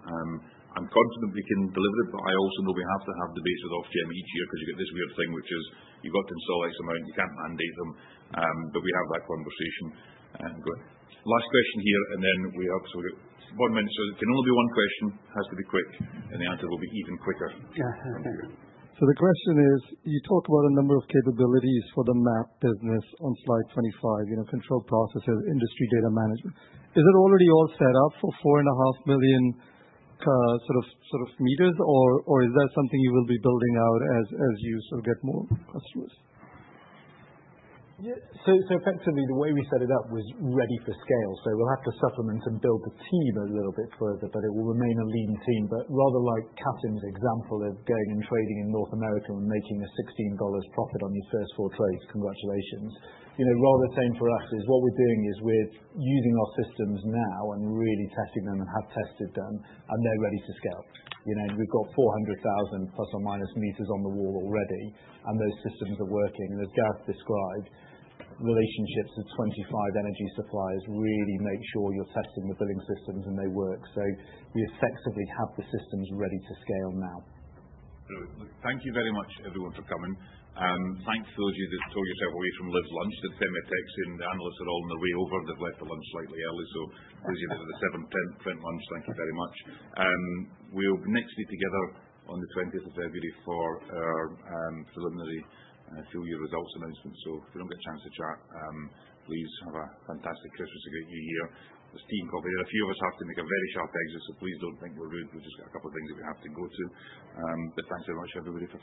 [SPEAKER 3] I'm confident we can deliver it, but I also know we have to have debates with Ofgem each year because you've got this weird thing, which is you've got to install X amount. You can't mandate them, but we have that conversation.
[SPEAKER 2] Last question here, and then we have one minute. So it can only be one question. It has to be quick, and the answer will be even quicker.
[SPEAKER 9] So the question is, you talk about a number of capabilities for the MAP business on slide 25, control processes, industry data management. Is it already all set up for four and a half million sort of meters, or is that something you will be building out as you sort of get more customers? So effectively, the way we set it up was ready for scale. So we'll have to supplement and build the team a little bit further, but it will remain a lean team. But rather like Cassim's example of going and trading in North America and making a $16 profit on your first four trades, congratulations. Rather the same for us is what we're doing is we're using our systems now and really testing them and have tested them, and they're ready to scale. We've got 400,000 plus or minus meters on the wall already, and those systems are working. And as Gareth described, relationships with 25 energy suppliers really make sure you're testing the billing systems and they work. So we effectively have the systems ready to scale now.
[SPEAKER 2] Thank you very much, everyone, for coming. Thanks to those of you that tore yourself away from Liz's lunch. The fintechs and the analysts are all on their way over. They've left for lunch slightly early. So those of you that are at the 7:10 P.M. lunch, thank you very much. We will next be together on the 20th of February for our preliminary full year results announcement. If we don't get a chance to chat, please have a fantastic Christmas and a great new year. There's team coffee there. A few of us have to make a very short exit, so please don't think we're rude. We've just got a couple of things that we have to go to. Thanks very much, everybody.